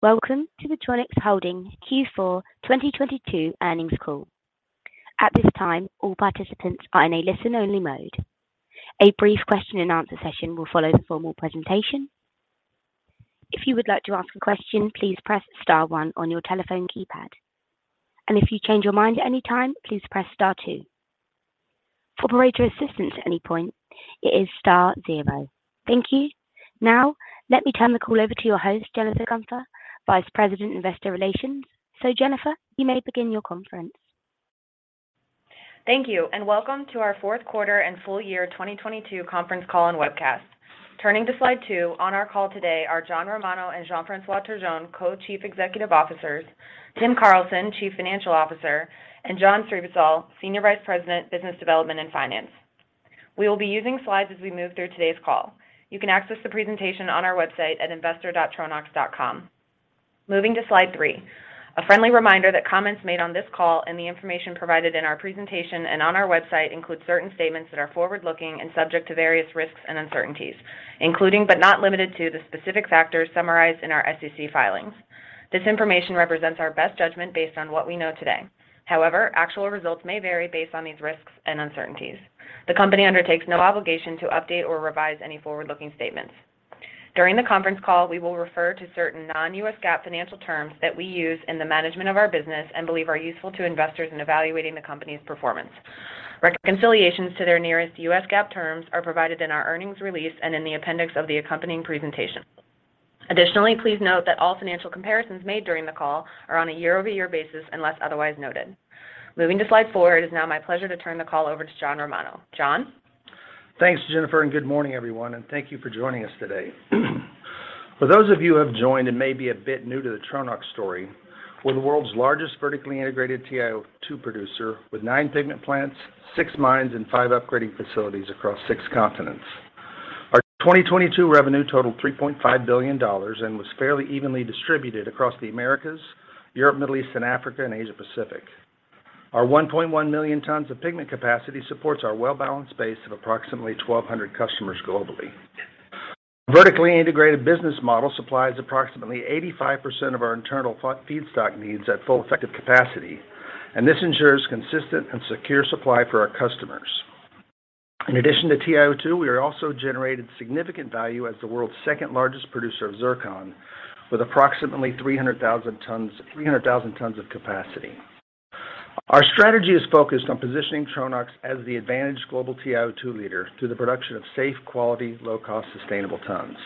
Welcome to the Tronox Holding Q4 2022 earnings call. At this time, all participants are in a listen-only mode. A brief question-and-answer session will follow the formal presentation. If you would like to ask a question, please press star 1 on your telephone keypad. If you change your mind at any time, please press star 2. For operator assistance at any point, it is star 0. Thank you. Let me turn the call over to your host, Jennifer Guenther, Vice President, Investor Relations. Jennifer, you may begin your conference. Welcome to our fourth quarter and full year 2022 conference call and webcast. Turning to slide two. On our call today are John Romano and Jean-François Turgeon, Co-Chief Executive Officers, Tim Carlson, Chief Financial Officer, and John Srivisal, Senior Vice President, Business Development & Finance. We will be using slides as we move through today's call. You can access the presentation on our website at investor.Tronox.com. Moving to slide three. A friendly reminder that comments made on this call and the information provided in our presentation and on our website include certain statements that are forward-looking and subject to various risks and uncertainties, including but not limited to, the specific factors summarized in our SEC filings. This information represents our best judgment based on what we know today. Actual results may vary based on these risks and uncertainties. The company undertakes no obligation to update or revise any forward-looking statements. During the conference call, we will refer to certain non-U.S. GAAP financial terms that we use in the management of our business and believe are useful to investors in evaluating the company's performance. Reconciliations to their nearest U.S. GAAP terms are provided in our earnings release and in the appendix of the accompanying presentation. Please note that all financial comparisons made during the call are on a year-over-year basis unless otherwise noted. Moving to slide four. It is now my pleasure to turn the call over to John Romano. John. Thanks, Jennifer, and good morning, everyone, and thank you for joining us today. For those of you who have joined and may be a bit new to the Tronox story, we're the world's largest vertically integrated TiO2 producer with 9 pigment plants, 6 mines, and 5 upgrading facilities across 6 continents. Our 2022 revenue totaled $3.5 billion and was fairly evenly distributed across the Americas, Europe, Middle East, and Africa, and Asia Pacific. Our 1.1 million tons of pigment capacity supports our well-balanced base of approximately 1,200 customers globally. Vertically integrated business model supplies approximately 85% of our internal feedstock needs at full effective capacity. This ensures consistent and secure supply for our customers. In addition to TiO2, we have also generated significant value as the world's second-largest producer of zircon with approximately 300,000 tons of capacity. Our strategy is focused on positioning Tronox as the advantage global TiO2 leader through the production of safe, quality, low-cost, sustainable tons.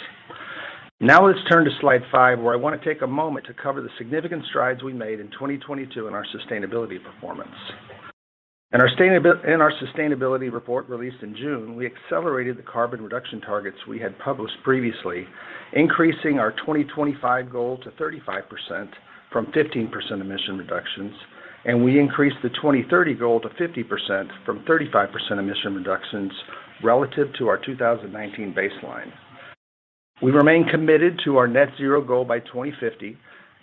Let's turn to slide five, where I want to take a moment to cover the significant strides we made in 2022 in our sustainability performance. In our sustainability report released in June, we accelerated the carbon reduction targets we had published previously, increasing our 2025 goal to 35% from 15% emission reductions, and we increased the 2030 goal to 50% from 35% emission reductions relative to our 2019 baseline. We remain committed to our net zero goal by 2050,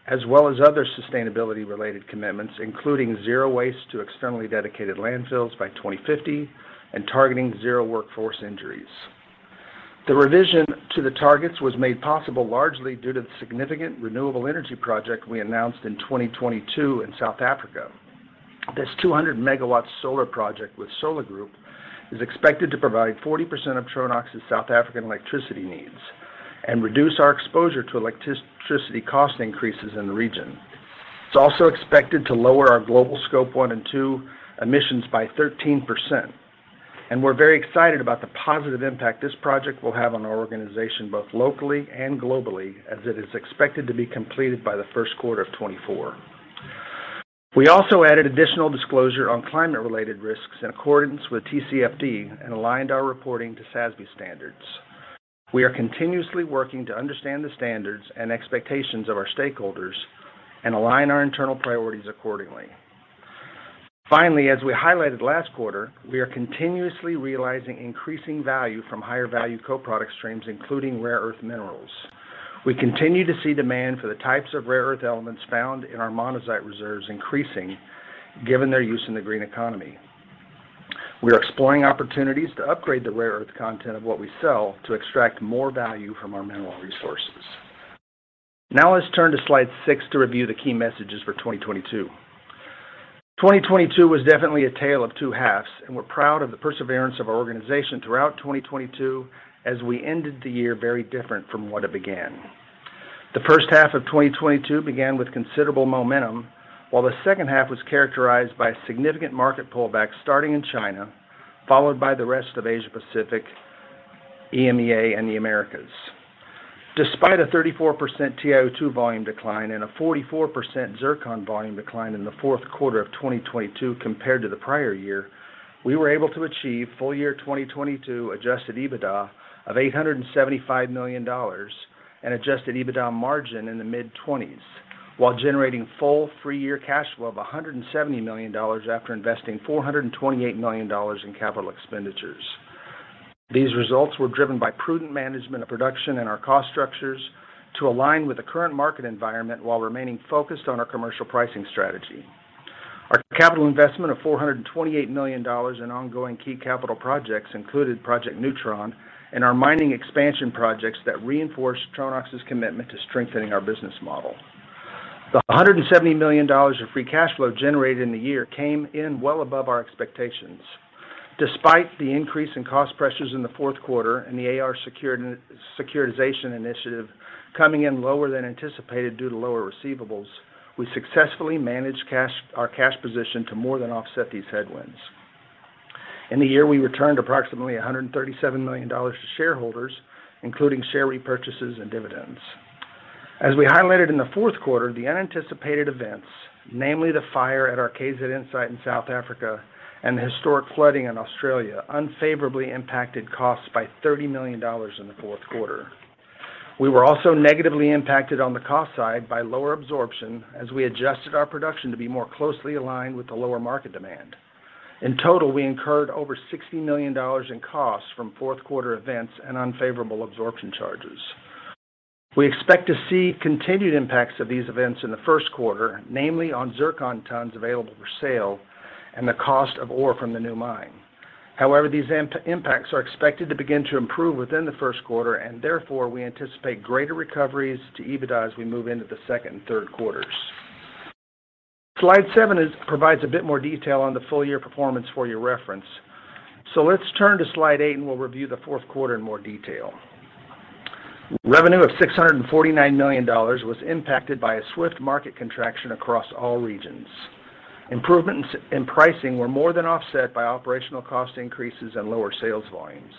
as well as other sustainability related commitments, including zero waste to externally dedicated landfills by 2050 and targeting zero workforce injuries. The revision to the targets was made possible largely due to the significant renewable energy project we announced in 2022 in South Africa. This 200 megawatt solar project with SOLA Group is expected to provide 40% of Tronox's South African electricity needs and reduce our exposure to electricity cost increases in the region. It's also expected to lower our global Scope 1 and 2 emissions by 13%. We're very excited about the positive impact this project will have on our organization, both locally and globally, as it is expected to be completed by the first quarter of 2024. We also added additional disclosure on climate related risks in accordance with TCFD and aligned our reporting to SASB standards. We are continuously working to understand the standards and expectations of our stakeholders and align our internal priorities accordingly. As we highlighted last quarter, we are continuously realizing increasing value from higher value co-product streams, including rare earth minerals. We continue to see demand for the types of rare earth elements found in our monazite reserves increasing given their use in the green economy. We are exploring opportunities to upgrade the rare earth content of what we sell to extract more value from our mineral resources. Let's turn to slide 6 to review the key messages for 2022. 2022 was definitely a tale of two halves. We're proud of the perseverance of our organization throughout 2022 as we ended the year very different from what it began. The first half of 2022 began with considerable momentum, while the second half was characterized by a significant market pullback starting in China, followed by the rest of Asia Pacific, EMEA, and the Americas. Despite a 34% TiO2 volume decline and a 44% zircon volume decline in the fourth quarter of 2022 compared to the prior year, we were able to achieve full year 2022 adjusted EBITDA of $875 million and adjusted EBITDA margin in the mid-twenties, while generating full free year cash flow of $170 million after investing $428 million in capital expenditures. These results were driven by prudent management of production and our cost structures to align with the current market environment while remaining focused on our commercial pricing strategy. Our capital investment of $428 million in ongoing key capital projects included Project newTRON and our mining expansion projects that reinforce Tronox's commitment to strengthening our business model. The $170 million of free cash flow generated in the year came in well above our expectations. Despite the increase in cost pressures in the fourth quarter and the AR securitization initiative coming in lower than anticipated due to lower receivables, we successfully managed our cash position to more than offset these headwinds. In the year, we returned approximately $137 million to shareholders, including share repurchases and dividends. As we highlighted in the fourth quarter, the unanticipated events, namely the fire at our KZN site in South Africa and the historic flooding in Australia, unfavorably impacted costs by $30 million in the fourth quarter. We were also negatively impacted on the cost side by lower absorption as we adjusted our production to be more closely aligned with the lower market demand. In total, we incurred over $60 million in costs from fourth quarter events and unfavorable absorption charges. We expect to see continued impacts of these events in the first quarter, namely on zircon tons available for sale and the cost of ore from the new mine. However, these impacts are expected to begin to improve within the first quarter, and therefore, we anticipate greater recoveries to EBITDA as we move into the second and third quarters. Slide 7 provides a bit more detail on the full year performance for your reference. Let's turn to slide 8, and we'll review the fourth quarter in more detail. Revenue of $649 million was impacted by a swift market contraction across all regions. Improvements in pricing were more than offset by operational cost increases and lower sales volumes.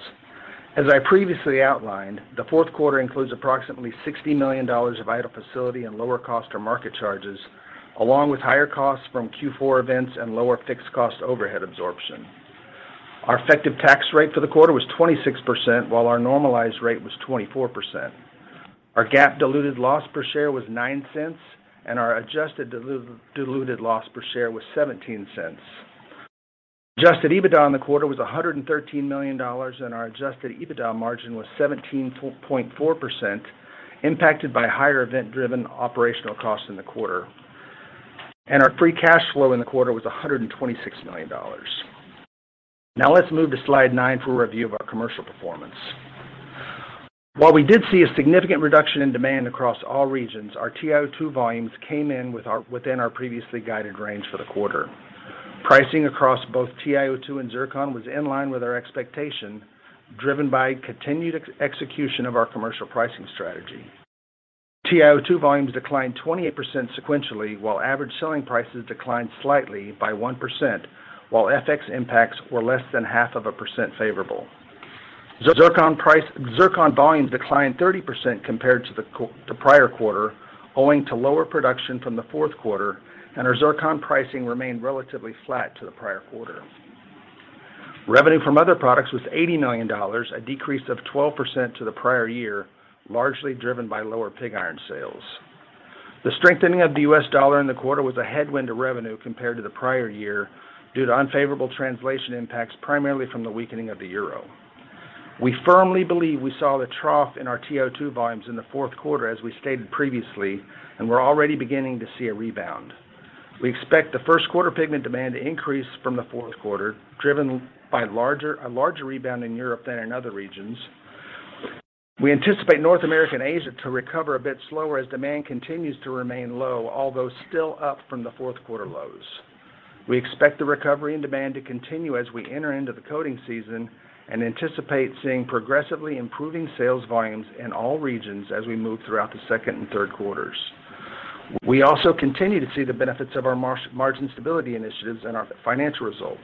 As I previously outlined, the fourth quarter includes approximately $60 million of idle facility and lower cost or market charges, along with higher costs from Q4 events and lower fixed cost overhead absorption. Our effective tax rate for the quarter was 26%, while our normalized rate was 24%. Our GAAP diluted loss per share was $0.09, and our adjusted diluted loss per share was $0.17. Adjusted EBITDA in the quarter was $113 million, our adjusted EBITDA margin was 17.4%, impacted by higher event-driven operational costs in the quarter. Our free cash flow in the quarter was $126 million. Now let's move to slide 9 for a review of our commercial performance. While we did see a significant reduction in demand across all regions, our TiO2 volumes came in within our previously guided range for the quarter. Pricing across both TiO2 and zircon was in line with our expectation, driven by continued ex-execution of our commercial pricing strategy. TiO2 volumes declined 28% sequentially, while average selling prices declined slightly by 1%, while FX impacts were less than 0.5% favorable. Zircon volumes declined 30% compared to the prior quarter, owing to lower production from the fourth quarter. Our zircon pricing remained relatively flat to the prior quarter. Revenue from other products was $80 million, a decrease of 12% to the prior year, largely driven by lower pig iron sales. The strengthening of the US dollar in the quarter was a headwind to revenue compared to the prior year due to unfavorable translation impacts, primarily from the weakening of the euro. We firmly believe we saw the trough in our TiO2 volumes in the fourth quarter, as we stated previously. We're already beginning to see a rebound. We expect the first quarter pigment demand to increase from the fourth quarter, driven by a larger rebound in Europe than in other regions. We anticipate North America and Asia to recover a bit slower as demand continues to remain low, although still up from the fourth quarter lows. We expect the recovery and demand to continue as we enter into the coating season and anticipate seeing progressively improving sales volumes in all regions as we move throughout the second and third quarters. We also continue to see the benefits of our margin stability initiatives in our financial results.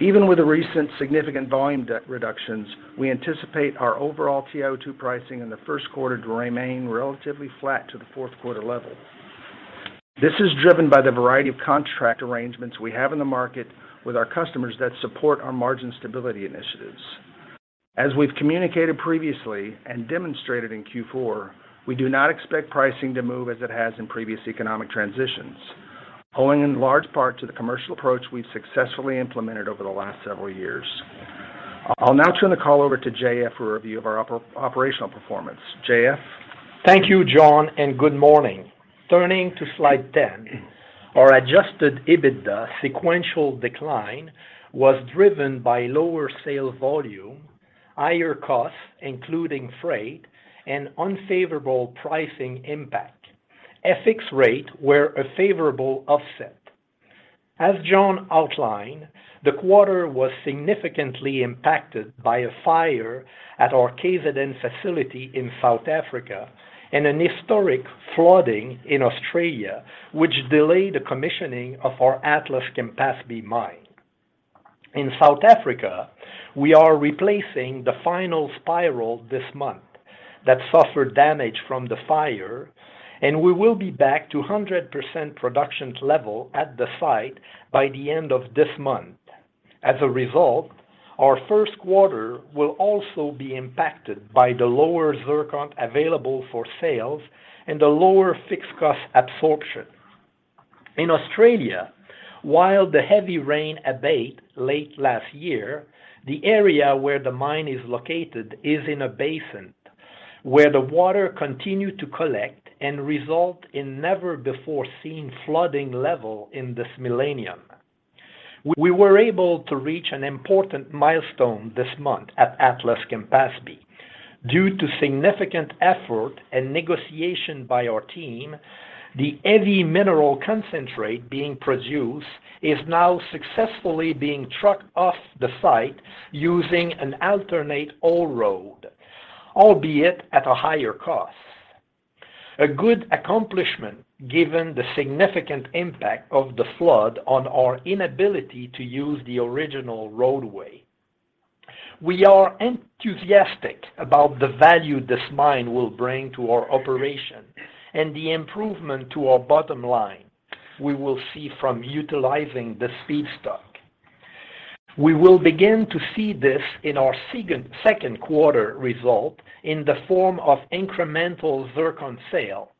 Even with the recent significant volume reductions, we anticipate our overall TiO2 pricing in the first quarter to remain relatively flat to the fourth quarter level. This is driven by the variety of contract arrangements we have in the market with our customers that support our margin stability initiatives. As we've communicated previously and demonstrated in Q4, we do not expect pricing to move as it has in previous economic transitions, owing in large part to the commercial approach we've successfully implemented over the last several years. I'll now turn the call over to JF for a review of our operational performance. JF? Thank you, John. Good morning. Turning to slide 10, our adjusted EBITDA sequential decline was driven by lower sale volume, higher costs, including freight, and unfavorable pricing impact. FX rate were a favorable offset. As John outlined, the quarter was significantly impacted by a fire at our KZN facility in South Africa and an historic flooding in Australia, which delayed the commissioning of the Atlas-Campaspe mine. In South Africa, we are replacing the final spiral this month that suffered damage from the fire. We will be back to 100% production level at the site by the end of this month. As a result, our first quarter will also be impacted by the lower zircon available for sales and the lower fixed cost absorption. In Australia, while the heavy rain abate late last year, the area where the mine is located is in a basin, where the water continued to collect and result in never-before-seen flooding level in this millennium. We were able to reach an important milestone this month at Atlas-Campaspe. Due to significant effort and negotiation by our team, the heavy mineral concentrate being produced is now successfully being trucked off the site using an alternate ore road, albeit at a higher cost. A good accomplishment given the significant impact of the flood on our inability to use the original roadway. We are enthusiastic about the value this mine will bring to our operation and the improvement to our bottom line we will see from utilizing the speed stock. We will begin to see this in our second quarter result in the form of incremental zircon sale,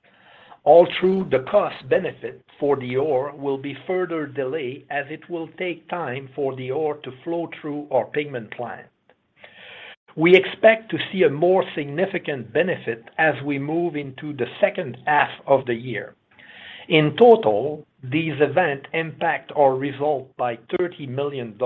all through the cost benefit for the ore will be further delayed as it will take time for the ore to flow through our pigment plant. We expect to see a more significant benefit as we move into the second half of the year. In total, these events impact our result by $30 million.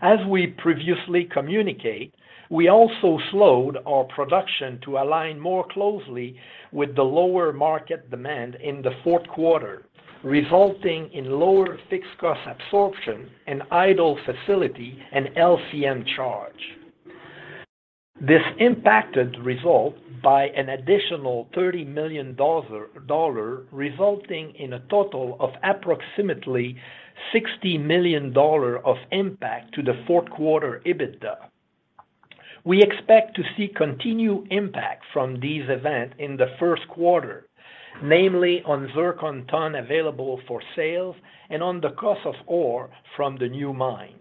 As we previously communicate, we also slowed our production to align more closely with the lower market demand in the fourth quarter, resulting in lower fixed cost absorption and idle facility and LCN charge. This impacted result by an additional $30 million resulting in a total of approximately $60 million of impact to the fourth quarter EBITDA. We expect to see continued impact from these events in the first quarter, namely on zircon tonne available for sale and on the cost of ore from the new mine.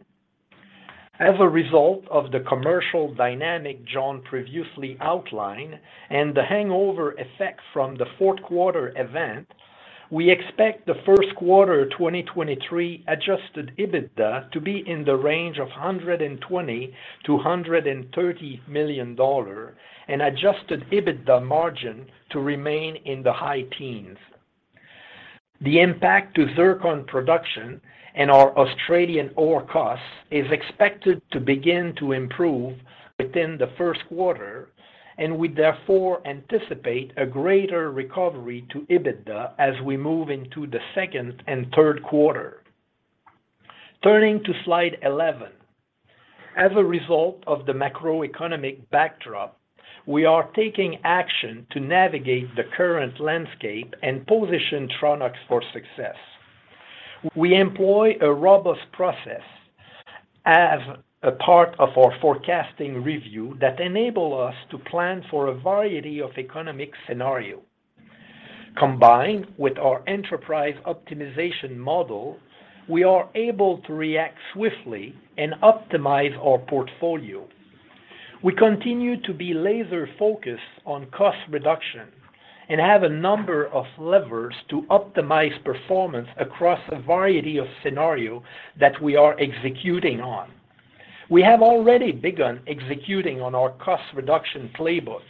As a result of the commercial dynamic John previously outlined and the hangover effect from the fourth quarter event, we expect the first quarter 2023 adjusted EBITDA to be in the range of $120 million-$130 million and adjusted EBITDA margin to remain in the high teens. We therefore anticipate a greater recovery to EBITDA as we move into the second and third quarter. Turning to slide 11. As a result of the macroeconomic backdrop, we are taking action to navigate the current landscape and position Tronox for success. We employ a robust process as a part of our forecasting review that enable us to plan for a variety of economic scenario. Combined with our enterprise optimization model, we are able to react swiftly and optimize our portfolio. We continue to be laser-focused on cost reduction and have a number of levers to optimize performance across a variety of scenario that we are executing on. We have already begun executing on our cost reduction playbook.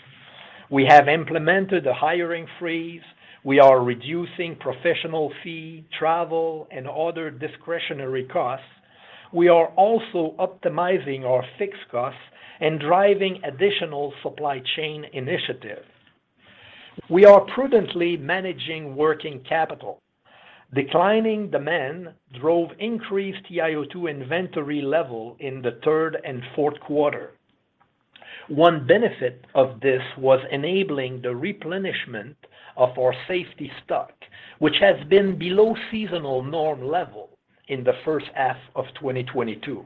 We have implemented a hiring freeze. We are reducing professional fee, travel, and other discretionary costs. We are also optimizing our fixed costs and driving additional supply chain initiatives. We are prudently managing working capital. Declining demand drove increased TiO2 inventory level in the third and fourth quarter. One benefit of this was enabling the replenishment of our safety stock, which has been below seasonal norm level in the first half of 2022.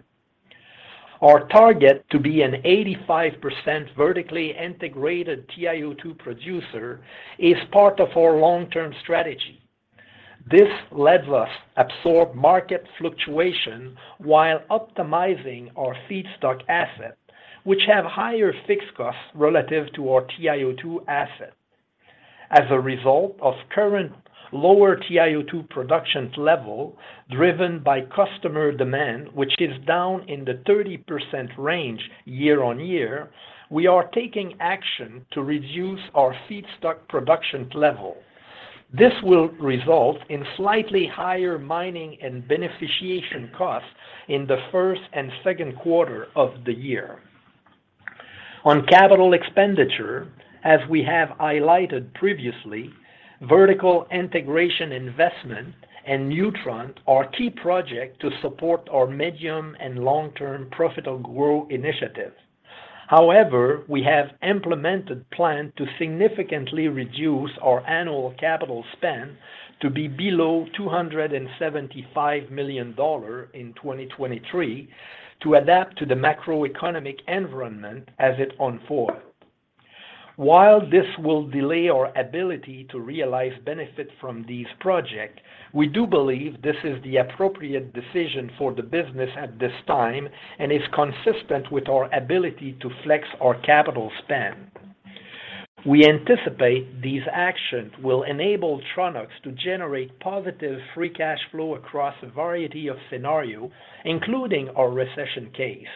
Our target to be an 85% vertically integrated TiO2 producer is part of our long-term strategy. This lets us absorb market fluctuation while optimizing our feedstock asset, which have higher fixed costs relative to our TiO2 asset. As a result of current lower TiO2 production level driven by customer demand, which is down in the 30% range year-on-year, we are taking action to reduce our feedstock production level. This will result in slightly higher mining and beneficiation costs in the first and second quarter of the year. On capital expenditure, as we have highlighted previously, vertical integration investment and newTRON are key projects to support our medium and long-term profitable growth initiatives. We have implemented plan to significantly reduce our annual capital spend to be below $275 million in 2023 to adapt to the macroeconomic environment as it unfolds. While this will delay our ability to realize benefit from these projects, we do believe this is the appropriate decision for the business at this time and is consistent with our ability to flex our capital spend. We anticipate these actions will enable Tronox to generate positive free cash flow across a variety of scenario, including our recession case.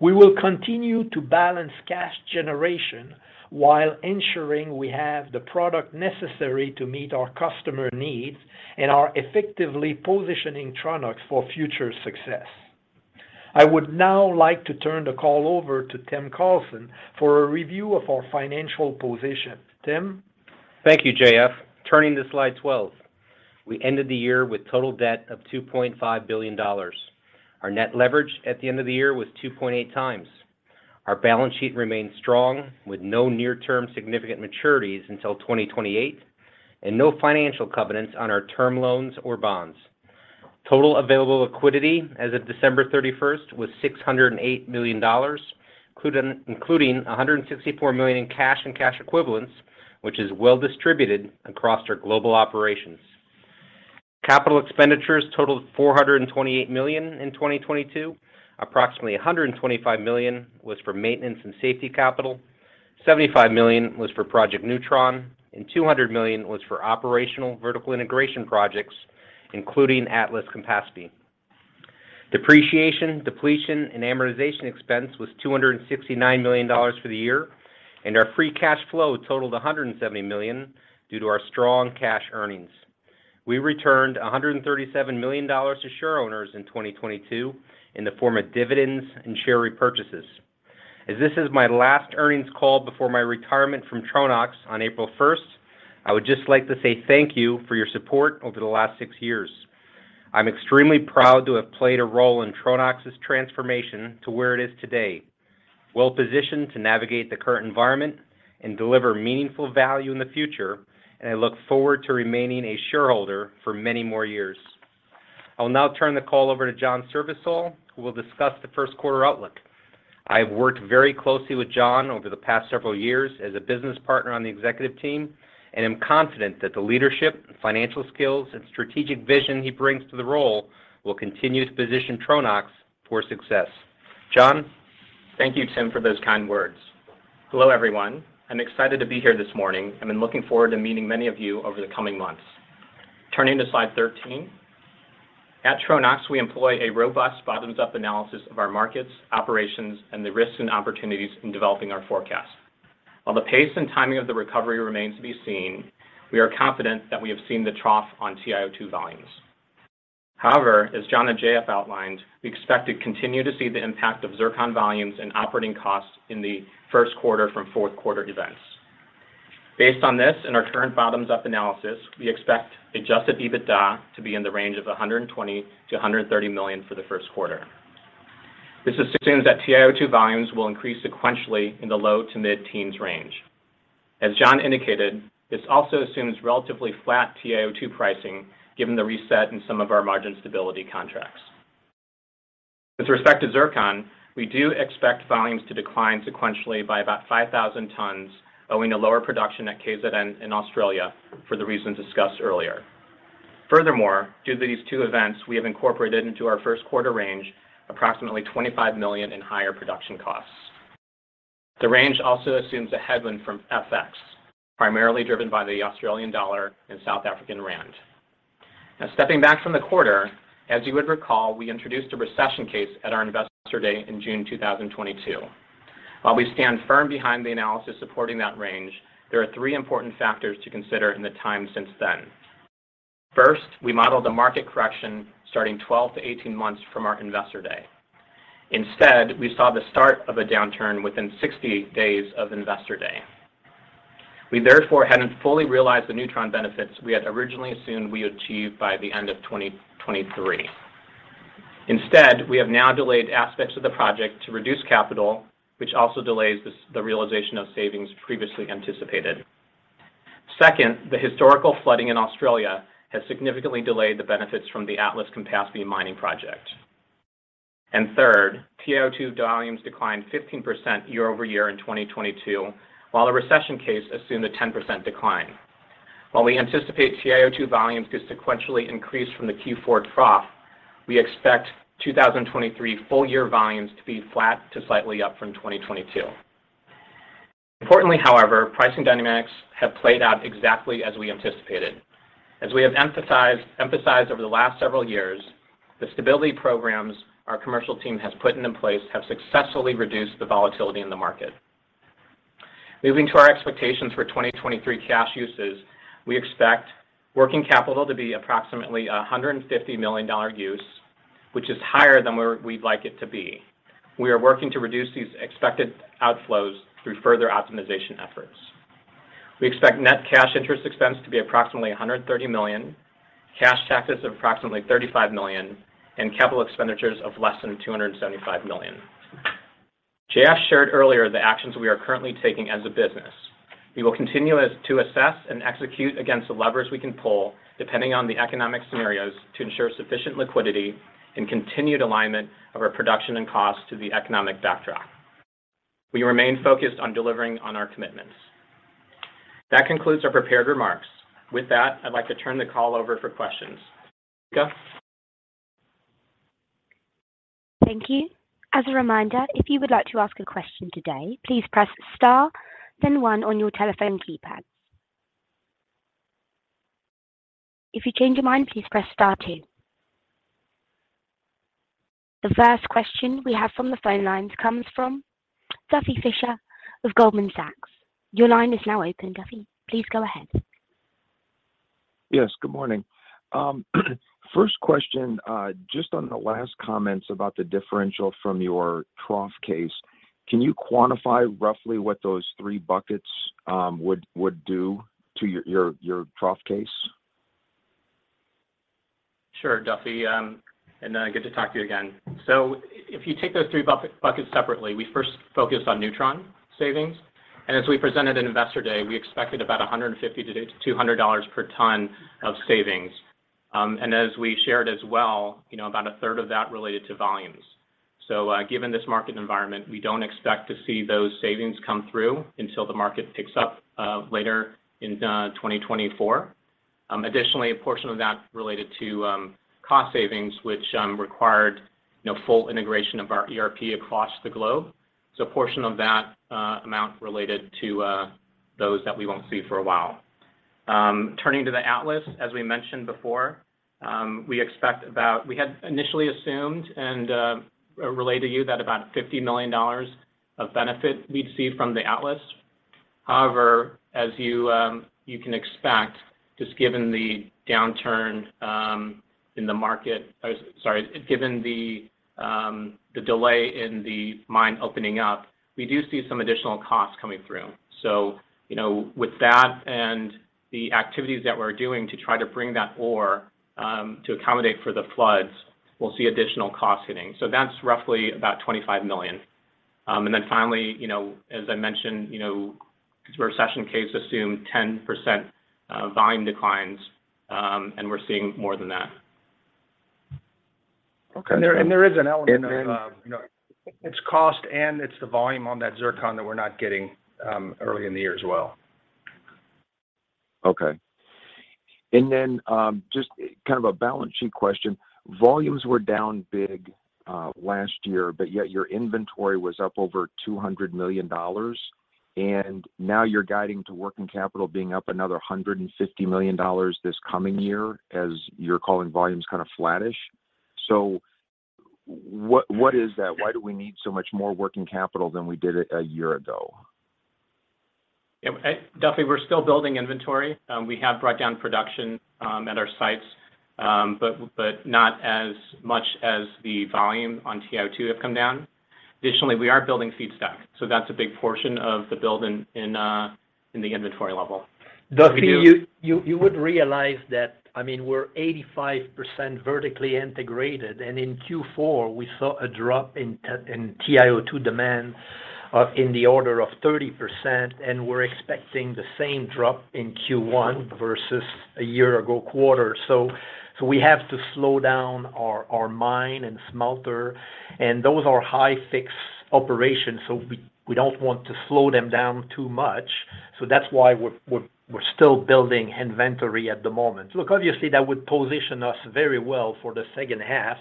We will continue to balance cash generation while ensuring we have the product necessary to meet our customer needs and are effectively positioning Tronox for future success. I would now like to turn the call over to Timothy Carlson for a review of our financial position. Tim. Thank you, JF. Turning to slide 12. We ended the year with total debt of $2.5 billion. Our net leverage at the end of the year was 2.8 times. Our balance sheet remains strong with no near-term significant maturities until 2028 and no financial covenants on our term loans or bonds. Total available liquidity as of December 31st was $608 million, including $164 million in cash and cash equivalents, which is well distributed across our global operations. Capital expenditures totaled $428 million in 2022. Approximately $125 million was for maintenance and safety capital. $75 million was for Project newTRON, and $200 million was for operational vertical integration projects, including Atlas-Campaspe. Depreciation, depletion, and amortization expense was $269 million for the year. Our free cash flow totaled $170 million due to our strong cash earnings. We returned $137 million to shareowners in 2022 in the form of dividends and share repurchases. As this is my last earnings call before my retirement from Tronox on April 1st, I would just like to say thank you for your support over the last six years. I'm extremely proud to have played a role in Tronox's transformation to where it is today, well-positioned to navigate the current environment and deliver meaningful value in the future. I look forward to remaining a shareholder for many more years. I will now turn the call over to John Srivisal, who will discuss the first quarter outlook. I have worked very closely with John over the past several years as a business partner on the executive team, and am confident that the leadership, financial skills and strategic vision he brings to the role will continue to position Tronox for success. John. Thank you, Tim, for those kind words. Hello, everyone. I'm excited to be here this morning and been looking forward to meeting many of you over the coming months. Turning to slide 13. At Tronox, we employ a robust bottoms-up analysis of our markets, operations, and the risks and opportunities in developing our forecast. While the pace and timing of the recovery remains to be seen, we are confident that we have seen the trough on TiO2 volumes. However, as John and JF outlined, we expect to continue to see the impact of zircon volumes and operating costs in the first quarter from fourth quarter events. Based on this and our current bottoms-up analysis, we expect adjusted EBITDA to be in the range of $120 million-$130 million for the first quarter. This assumes that TiO2 volumes will increase sequentially in the low to mid-teens range. As John indicated, this also assumes relatively flat TiO2 pricing given the reset in some of our margin stability contracts. With respect to zircon, we do expect volumes to decline sequentially by about 5,000 tons owing to lower production at KZN in Australia for the reasons discussed earlier. Due to these two events, we have incorporated into our first quarter range approximately $25 million in higher production costs. The range also assumes a headwind from FX, primarily driven by the Australian dollar and South African rand. Stepping back from the quarter, as you would recall, we introduced a recession case at our Investor Day in June 2022. We stand firm behind the analysis supporting that range, there are 3 important factors to consider in the time since then. First, we modeled the market correction starting 12 to 18 months from our Investor Day. Instead, we saw the start of a downturn within 60 days of Investor Day. We therefore hadn't fully realized the newTRON benefits we had originally assumed we achieved by the end of 2023. Instead, we have now delayed aspects of the project to reduce capital, which also delays the realization of savings previously anticipated. Second, the historical flooding in Australia has significantly delayed the benefits from the Atlas-Campaspe mining project. Third, TiO2 volumes declined 15% year-over-year in 2022, while the recession case assumed a 10% decline. While we anticipate TiO2 volumes to sequentially increase from the Q4 trough, we expect 2023 full year volumes to be flat to slightly up from 2022. Importantly, however, pricing dynamics have played out exactly as we anticipated. As we have emphasized over the last several years, the stability programs our commercial team has put in place have successfully reduced the volatility in the market. Moving to our expectations for 2023 cash uses, we expect working capital to be approximately a $150 million use, which is higher than where we'd like it to be. We are working to reduce these expected outflows through further optimization efforts. We expect net cash interest expense to be approximately $130 million, cash taxes of approximately $35 million, and capital expenditures of less than $275 million. JF shared earlier the actions we are currently taking as a business. We will continue to assess and execute against the levers we can pull, depending on the economic scenarios, to ensure sufficient liquidity and continued alignment of our production and cost to the economic backdrop. We remain focused on delivering on our commitments. That concludes our prepared remarks. With that, I'd like to turn the call over for questions. Rika? Thank you. As a reminder, if you would like to ask a question today, please press star, then 1 on your telephone keypad. If you change your mind, please press star 2. The first question we have from the phone lines comes from Duffy Fischer of Goldman Sachs. Your line is now open, Duffy. Please go ahead. Yes, good morning. First question, just on the last comments about the differential from your trough case. Can you quantify roughly what those three buckets would do to your trough case? Sure, Duffy. Good to talk to you again. If you take those three buckets separately, we first focus on newTRON savings. As we presented in Investor Day, we expected about $150-$200 per ton of savings. As we shared as well, you know, about a third of that related to volumes. Given this market environment, we don't expect to see those savings come through until the market picks up, later in, 2024. Additionally, a portion of that related to, cost savings, which, required, you know, full integration of our ERP across the globe. A portion of that, amount related to, those that we won't see for a while. Turning to the Atlas, as we mentioned before, we expect about... We had initially assumed and relayed to you that about $50 million of benefit we'd see from the Atlas. However, as you can expect, just given the downturn in the market. Sorry, given the delay in the mine opening up, we do see some additional costs coming through. You know, with that and the activities that we're doing to try to bring that ore to accommodate for the floods, we'll see additional costs hitting. That's roughly about $25 million. Finally, you know, as I mentioned, you know, this recession case assumed 10% volume declines, and we're seeing more than that. Okay. There is an element of, you know, it's cost, and it's the volume on that zircon that we're not getting, early in the year as well. Okay. Just kind of a balance sheet question. Volumes were down big last year, but yet your inventory was up over $200 million, and now you're guiding to working capital being up another $150 million this coming year, as you're calling volumes kind of flattish. What is that? Why do we need so much more working capital than we did a year ago? Yeah. Duffy, we're still building inventory. We have brought down production at our sites, but not as much as the volume on TiO2 have come down. Additionally, we are building feedstock, so that's a big portion of the build in the inventory level. Duffy, you would realize that, I mean, we're 85% vertically integrated. In Q4, we saw a drop in TiO2 demand of, in the order of 30%. We're expecting the same drop in Q1 versus a year ago quarter. We have to slow down our mine and smelter. Those are high fixed operations. We don't want to slow them down too much. That's why we're still building inventory at the moment. Look, obviously, that would position us very well for the second half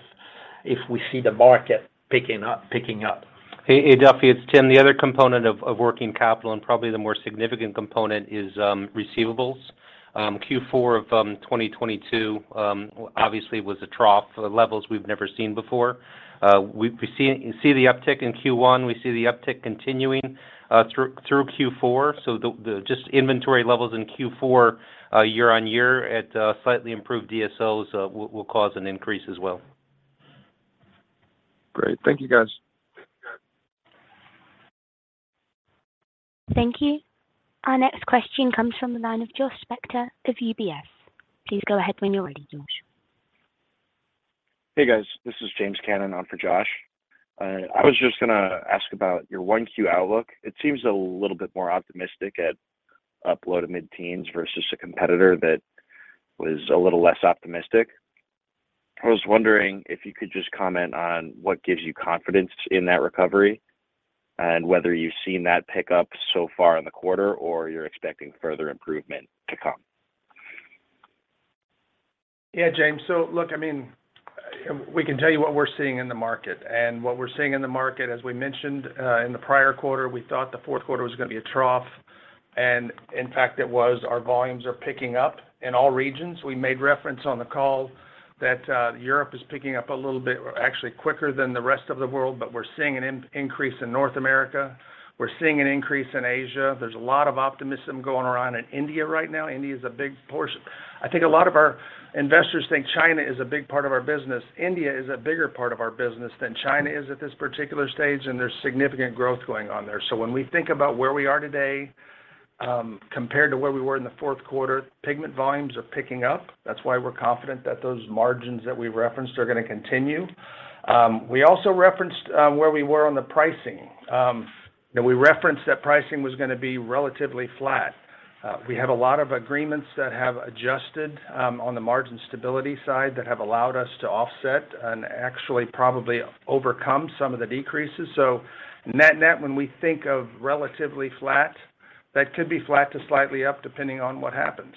if we see the market picking up. Hey, hey, Duffy. It's Tim. The other component of working capital, probably the more significant component is receivables. Q4 of 2022, obviously was a trough for the levels we've never seen before. We see the uptick in Q1. We see the uptick continuing through Q4. The just inventory levels in Q4 year-on-year at slightly improved DSOs will cause an increase as well. Great. Thank you, guys. Thank you. Our next question comes from the line of Josh Spector of UBS. Please go ahead when you're ready, Josh. Hey, guys. This is James Cannon on for Josh. I was just gonna ask about your 1Q outlook. It seems a little bit more optimistic at low-to-mid teens versus a competitor that was a little less optimistic. I was wondering if you could just comment on what gives you confidence in that recovery and whether you've seen that pick up so far in the quarter or you're expecting further improvement to come. Yeah, James. Look, I mean, we can tell you what we're seeing in the market. What we're seeing in the market, as we mentioned, in the prior quarter, we thought the fourth quarter was gonna be a trough, and in fact, it was. Our volumes are picking up in all regions. We made reference on the call that Europe is picking up a little bit, actually quicker than the rest of the world, but we're seeing an increase in North America. We're seeing an increase in Asia. There's a lot of optimism going around in India right now. India is a big portion. I think a lot of our investors think China is a big part of our business. India is a bigger part of our business than China is at this particular stage, and there's significant growth going on there. When we think about where we are today, compared to where we were in the fourth quarter, pigment volumes are picking up. That's why we're confident that those margins that we referenced are gonna continue. We also referenced, where we were on the pricing. you know, we referenced that pricing was gonna be relatively flat. We have a lot of agreements that have adjusted, on the margin stability side that have allowed us to offset and actually probably overcome some of the decreases. Net-net, when we think of relatively flat That could be flat to slightly up depending on what happens.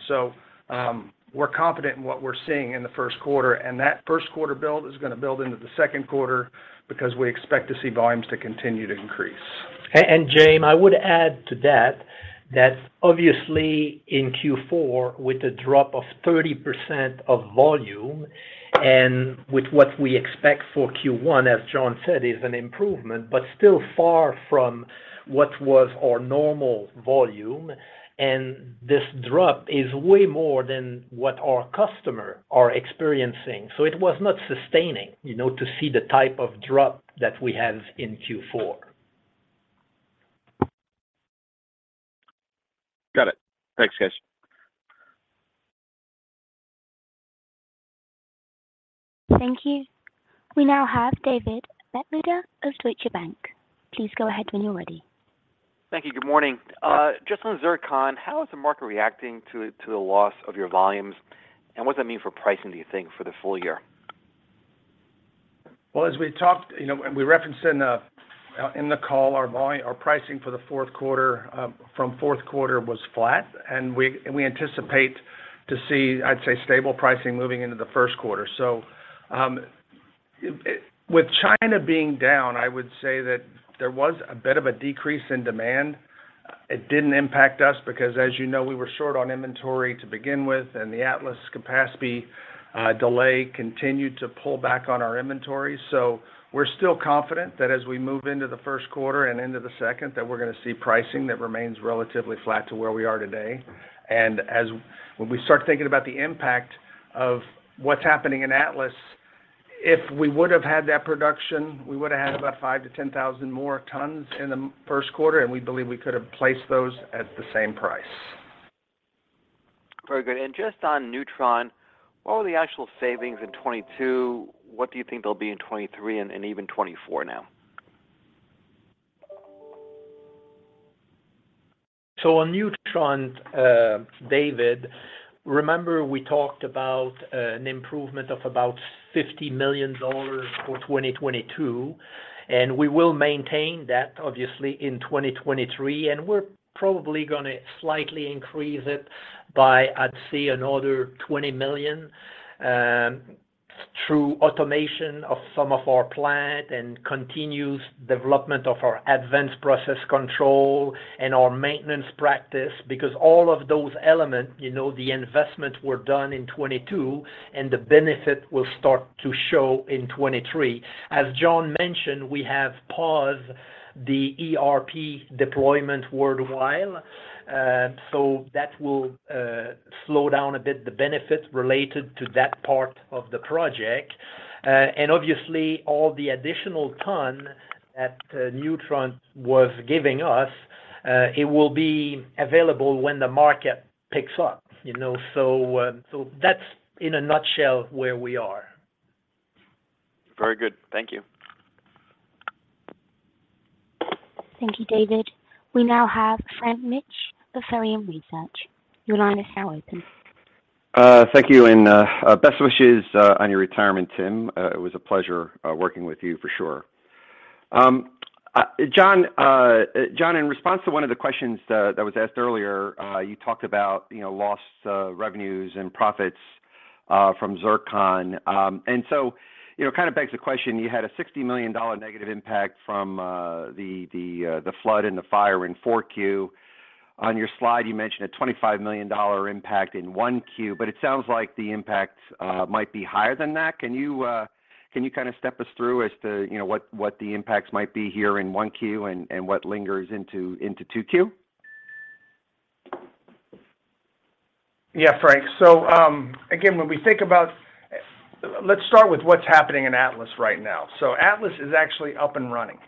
We're confident in what we're seeing in the first quarter, and that first quarter build is gonna build into the second quarter because we expect to see volumes to continue to increase. James, I would add to that obviously in Q4 with the drop of 30% of volume and with what we expect for Q1, as John said, is an improvement, but still far from what was our normal volume. This drop is way more than what our customer are experiencing. It was not sustaining, you know, to see the type of drop that we have in Q4. Got it. Thanks, guys. Thank you. We now have David Begleiter of Deutsche Bank. Please go ahead when you're ready. Thank you. Good morning. Just on zircon, how is the market reacting to the loss of your volumes? What does that mean for pricing, do you think, for the full year? Well, as we talked, you know, we referenced in the call, our pricing for the Fourth Quarter from Fourth Quarter was flat. We anticipate to see, I'd say, stable pricing moving into the First Quarter. With China being down, I would say that there was a bit of a decrease in demand. It didn't impact us because, as you know, we were short on inventory to begin with, and the Atlas capacity delay continued to pull back on our inventory. We're still confident that as we move into the First Quarter and into the Second Quarter, that we're gonna see pricing that remains relatively flat to where we are today. When we start thinking about the impact of what's happening in Atlas, if we would have had that production, we would've had about 5,000-10,000 more tons in the first quarter, and we believe we could have placed those at the same price. Very good. Just on newTRON, what were the actual savings in 2022? What do you think they'll be in 2023 and even 2024 now? On newTRON, David, remember we talked about an improvement of about $50 million for 2022. We will maintain that obviously in 2023. We're probably gonna slightly increase it by, I'd say, another $20 million through automation of some of our plant and continuous development of our advanced process control and our maintenance practice. All of those elements, you know, the investments were done in 22, and the benefit will start to show in 23. As John mentioned, we have paused the ERP deployment worldwide, so that will slow down a bit the benefits related to that part of the project. Obviously all the additional ton that newTRON was giving us, it will be available when the market picks up, you know. That's in a nutshell where we are. Very good. Thank you. Thank you, David. We now have Frank Mitsch of Fermium Research. Your line is now open. Thank you, and best wishes on your retirement, Tim. It was a pleasure working with you for sure. John, in response to one of the questions that was asked earlier, you talked about, you know, lost revenues and profits from zircon. You know, it kind of begs the question, you had a $60 million negative impact from the flood and the fire in 4Q. On your slide, you mentioned a $25 million impact in 1Q, but it sounds like the impact might be higher than that. Can you kind of step us through as to, you know, what the impacts might be here in 1Q and what lingers into 2Q? Yeah, Frank. Again, when we think about... Let's start with what's happening in Atlas right now. Atlas is actually up and running.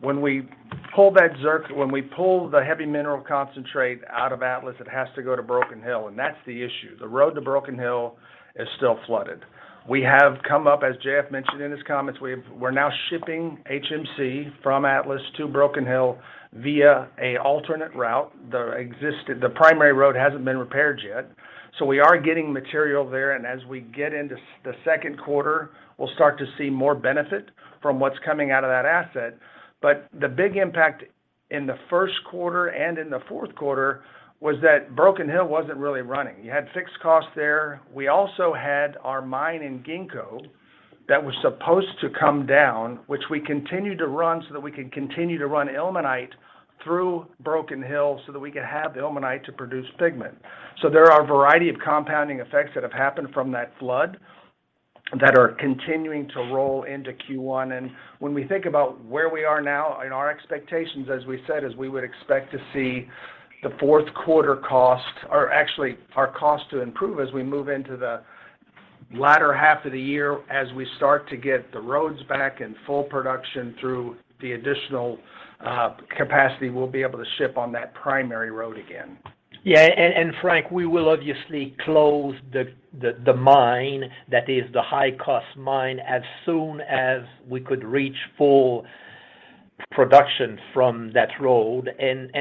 When we pull the heavy mineral concentrate out of Atlas, it has to go to Broken Hill, and that's the issue. The road to Broken Hill is still flooded. We have come up, as JF mentioned in his comments, we're now shipping HMC from Atlas to Broken Hill via an alternate route. The primary road hasn't been repaired yet, so we are getting material there. As we get into the second quarter, we'll start to see more benefit from what's coming out of that asset. The big impact in the first quarter and in the fourth quarter was that Broken Hill wasn't really running. You had fixed costs there. We also had our mine in Ginkgo that was supposed to come down, which we continued to run so that we could continue to run ilmenite through Broken Hill, so that we could have ilmenite to produce pigment. There are a variety of compounding effects that have happened from that flood that are continuing to roll into Q1. When we think about where we are now and our expectations, as we said, is we would expect to see the fourth quarter cost, or actually our cost to improve as we move into the latter half of the year as we start to get the roads back and full production through the additional capacity we'll be able to ship on that primary road again. Yeah. and Frank, we will obviously close the mine, that is the high-cost mine, as soon as we could reach full production from that road.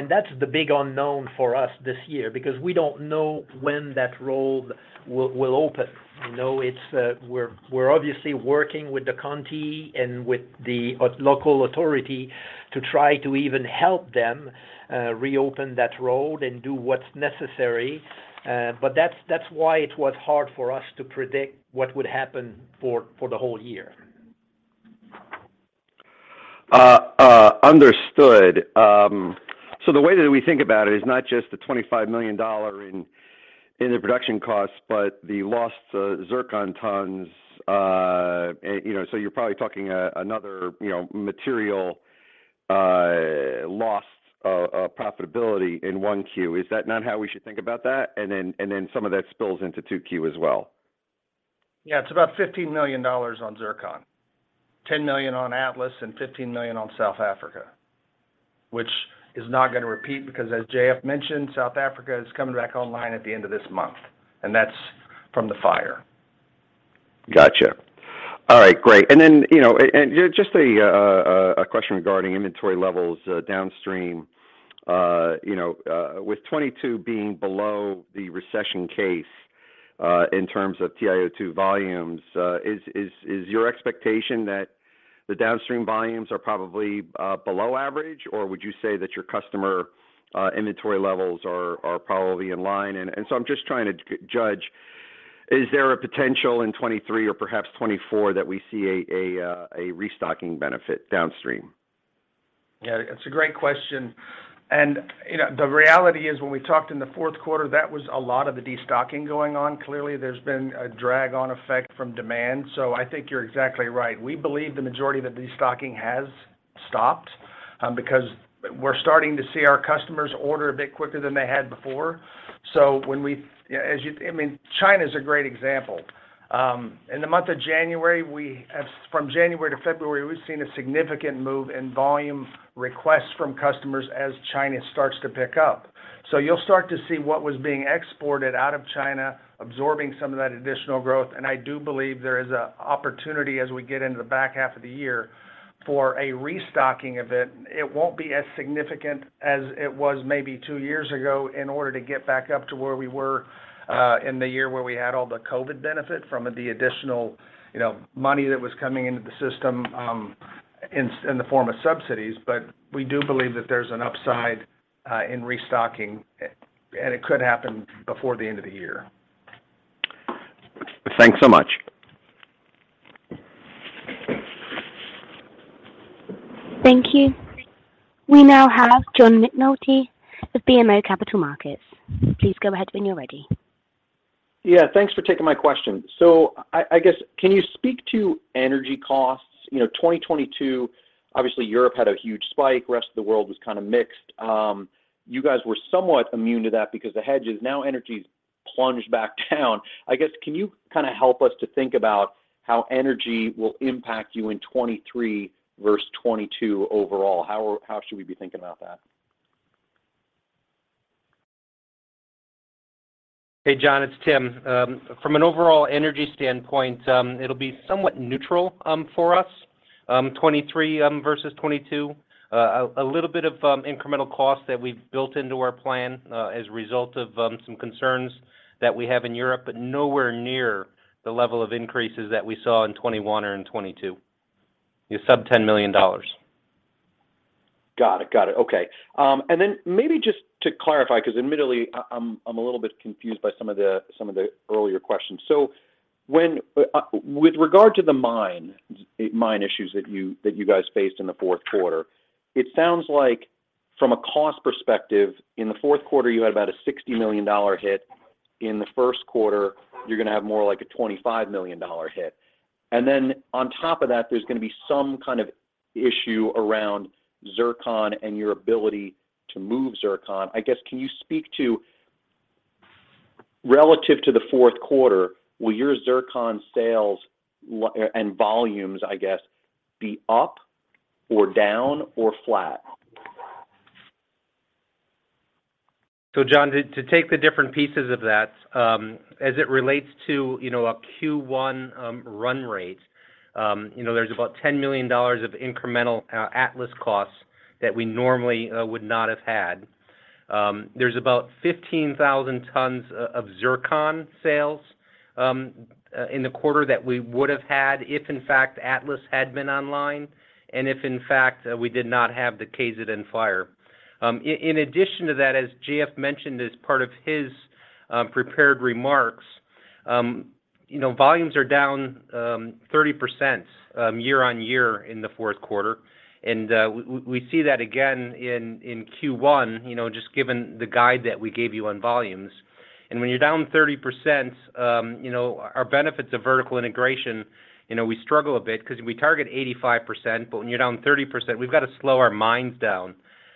That's the big unknown for us this year because we don't know when that road will open. You know, it's, we're obviously working with the county and with the local authority to try to even help them, reopen that road and do what's necessary. That's why it was hard for us to predict what would happen for the whole year. Understood. The way that we think about it is not just the $25 million in the production costs, but the lost zircon tons, and, you know, so you're probably talking another, you know, material loss of profitability in 1Q. Is that not how we should think about that? Then some of that spills into 2Q as well. It's about $15 million on zircon, $10 million on Atlas and $15 million on South Africa, which is not gonna repeat because as JF mentioned, South Africa is coming back online at the end of this month, and that's from the fire. Gotcha. All right, great. Then, you know, and just a question regarding inventory levels downstream. You know, with 22 being below the recession case, in terms of TiO2 volumes, is your expectation that the downstream volumes are probably below average, or would you say that your customer, inventory levels are probably in line? So I'm just trying to judge, is there a potential in 23 or perhaps 24 that we see a restocking benefit downstream? Yeah, it's a great question. You know, the reality is when we talked in the fourth quarter, that was a lot of the destocking going on. Clearly, there's been a drag on effect from demand. I think you're exactly right. We believe the majority of the destocking has stopped, because we're starting to see our customers order a bit quicker than they had before. I mean, China's a great example. In the month of January, From January to February, we've seen a significant move in volume requests from customers as China starts to pick up. You'll start to see what was being exported out of China, absorbing some of that additional growth. I do believe there is an opportunity as we get into the back half of the year for a restocking event. It won't be as significant as it was maybe 2 years ago in order to get back up to where we were, in the year where we had all the COVID benefit from the additional, you know, money that was coming into the system, in the form of subsidies. We do believe that there's an upside, and it could happen before the end of the year. Thanks so much. Thank you. We now have John McNulty of BMO Capital Markets. Please go ahead when you're ready. Yeah, thanks for taking my question. I guess can you speak to energy costs? You know, 2022, obviously, Europe had a huge spike. Rest of the world was kind of mixed. You guys were somewhat immune to that because the hedges. Now energy's plunged back down. I guess, can you kind of help us to think about how energy will impact you in 2023 versus 2022 overall? How should we be thinking about that? Hey, John, it's Tim. From an overall energy standpoint, it'll be somewhat neutral for us, 2023 versus 2022. A little bit of incremental cost that we've built into our plan as a result of some concerns that we have in Europe, but nowhere near the level of increases that we saw in 2021 or in 2022. Sub $10 million. Got it. Got it. Okay. Maybe just to clarify, 'cause admittedly I'm a little bit confused by some of the earlier questions. When with regard to the mine issues that you guys faced in the fourth quarter, it sounds like from a cost perspective, in the fourth quarter, you had about a $60 million hit. In the first quarter, you're gonna have more like a $25 million hit. On top of that, there's gonna be some kind of issue around zircon and your ability to move zircon. I guess, can you speak to, relative to the fourth quarter, will your zircon sales and volumes, I guess, be up or down or flat? John, to take the different pieces of that, as it relates to, you know, a Q1 run rate, you know, there's about $10 million of incremental Atlas costs that we normally would not have had. There's about 15,000 tons of zircon sales in the quarter that we would have had if in fact Atlas had been online and if in fact we did not have the Kazideng fire. In addition to that, as JF mentioned as part of his prepared remarks, you know, volumes are down 30% year-on-year in the fourth quarter. We see that again in Q1, you know, just given the guide that we gave you on volumes. When you're down 30%, you know, our benefits of vertical integration, you know, we struggle a bit 'cause we target 85%. When you're down 30%, we've got to slow our mines down,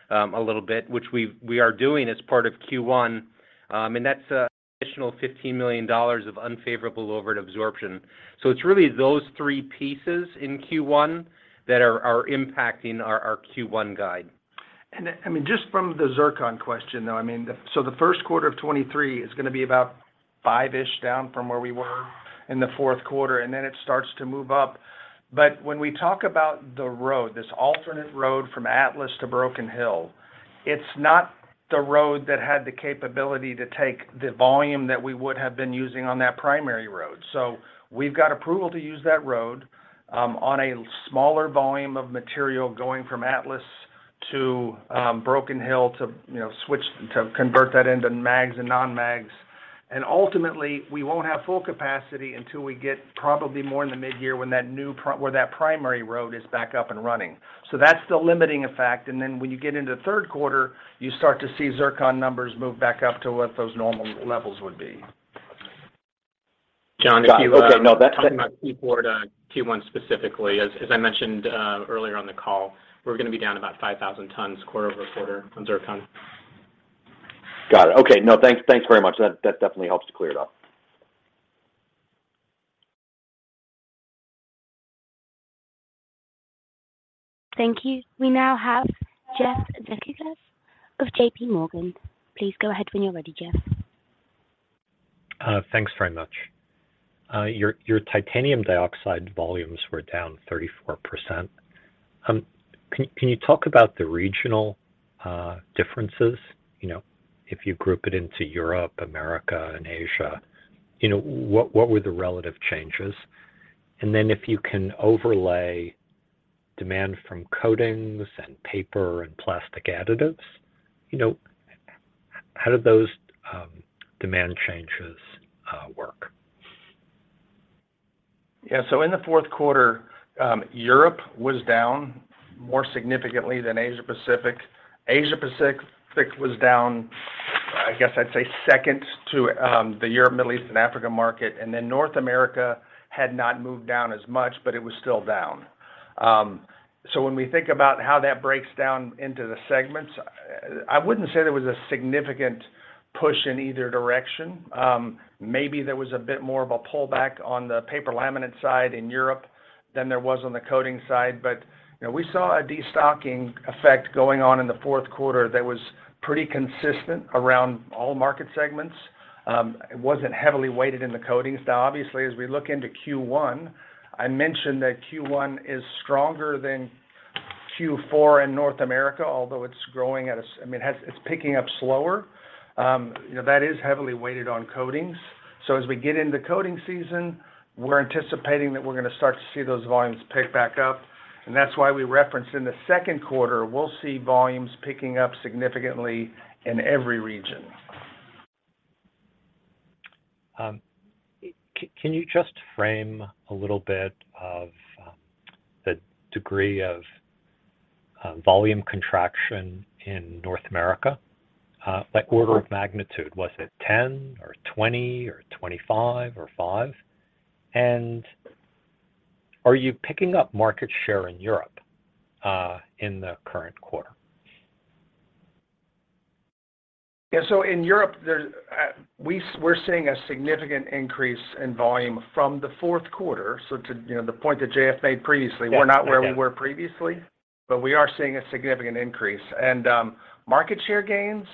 a little bit, which we are doing as part of Q1. That's an additional $15 million of unfavorable over absorption. It's really those three pieces in Q1 that are impacting our Q1 guide. I mean, just from the zircon question though, I mean, so the first quarter of 2023 is gonna be about 5-ish down from where we were in the fourth quarter, and then it starts to move up. When we talk about the road, this alternate road from Atlas to Broken Hill, it's not the road that had the capability to take the volume that we would have been using on that primary road. We've got approval to use that road, on a smaller volume of material going from Atlas to Broken Hill to, you know, to convert that into mags and non-mags. Ultimately, we won't have full capacity until we get probably more in the mid-year when that new where that primary road is back up and running. That's the limiting effect, and then when you get into the third quarter, you start to see zircon numbers move back up to what those normal levels would be. John, if you. Got it. Okay, no, that. talking about Q4 to Q1 specifically, as I mentioned, earlier on the call, we're gonna be down about 5,000 tons quarter-over-quarter on zircon. Got it. Okay. No, thanks very much. That definitely helps to clear it up. Thank you. We now have Jeff Zekauskas of JPMorgan. Please go ahead when you're ready, Jeff. Thanks very much. Your titanium dioxide volumes were down 34%. Can you talk about the regional differences? You know, if you group it into Europe, America and Asia, you know, what were the relative changes? Then if you can overlay demand from coatings and paper and plastic additives, you know, how did those demand changes work? Yeah. In the fourth quarter, Europe was down more significantly than Asia Pacific. Asia Pacific was down, I guess I'd say second to the Europe, Middle East and Africa market. North America had not moved down as much, but it was still down. When we think about how that breaks down into the segments, I wouldn't say there was a significant push in either direction. Maybe there was a bit more of a pullback on the paper laminate side in Europe than there was on the coating side. You know, we saw a destocking effect going on in the fourth quarter that was pretty consistent around all market segments. It wasn't heavily weighted in the coatings. Obviously, as we look into Q1, I mentioned that Q1 is stronger than Q4 in North America, although it's growing at a I mean, it's picking up slower. You know, that is heavily weighted on coatings. As we get into coating season, we're anticipating that we're gonna start to see those volumes pick back up. That's why we referenced in the second quarter, we'll see volumes picking up significantly in every region. Can you just frame a little bit of the degree of volume contraction in North America? Like order of magnitude. Was it 10 or 20 or 25 or 5? Are you picking up market share in Europe, in the current quarter? Yeah. In Europe, we're seeing a significant increase in volume from the fourth quarter. To, you know, the point that Jeff made previously. Yes. Okay.... we're not where we were previously, but we are seeing a significant increase. Market share gains,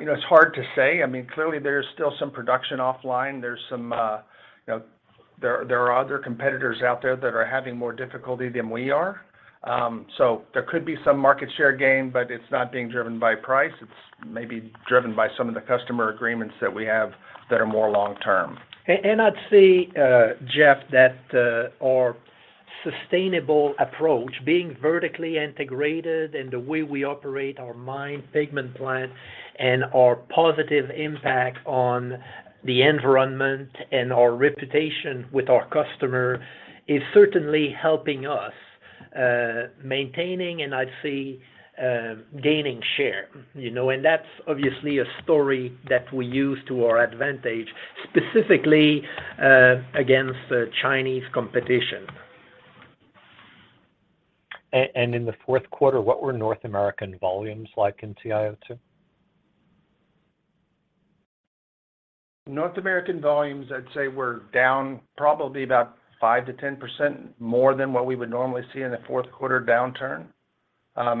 you know, it's hard to say. I mean, clearly there's still some production offline. There's some, you know, there are other competitors out there that are having more difficulty than we are. There could be some market share gain, but it's not being driven by price. It's maybe driven by some of the customer agreements that we have that are more long term. I'd say, Jeff, that, our sustainable approach, being vertically integrated and the way we operate our mine pigment plant and our positive impact on the environment and our reputation with our customer is certainly helping us, maintaining and I'd say, gaining share, you know. That's obviously a story that we use to our advantage, specifically, against Chinese competition. In the fourth quarter, what were North American volumes like in TiO2? North American volumes, I'd say were down probably about 5%-10% more than what we would normally see in a fourth quarter downturn.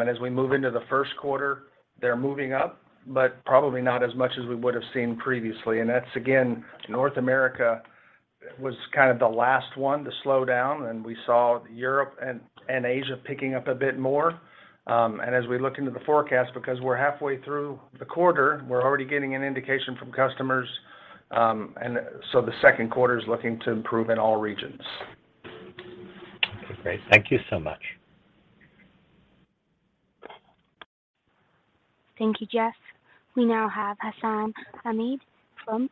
As we move into the first quarter, they're moving up, but probably not as much as we would have seen previously. That's again, North America was kind of the last one to slow down, and we saw Europe and Asia picking up a bit more. As we look into the forecast, because we're halfway through the quarter, we're already getting an indication from customers, the second quarter is looking to improve in all regions. Okay, great. Thank you so much. Thank you, Jeff. We now have Hassan Ahmed from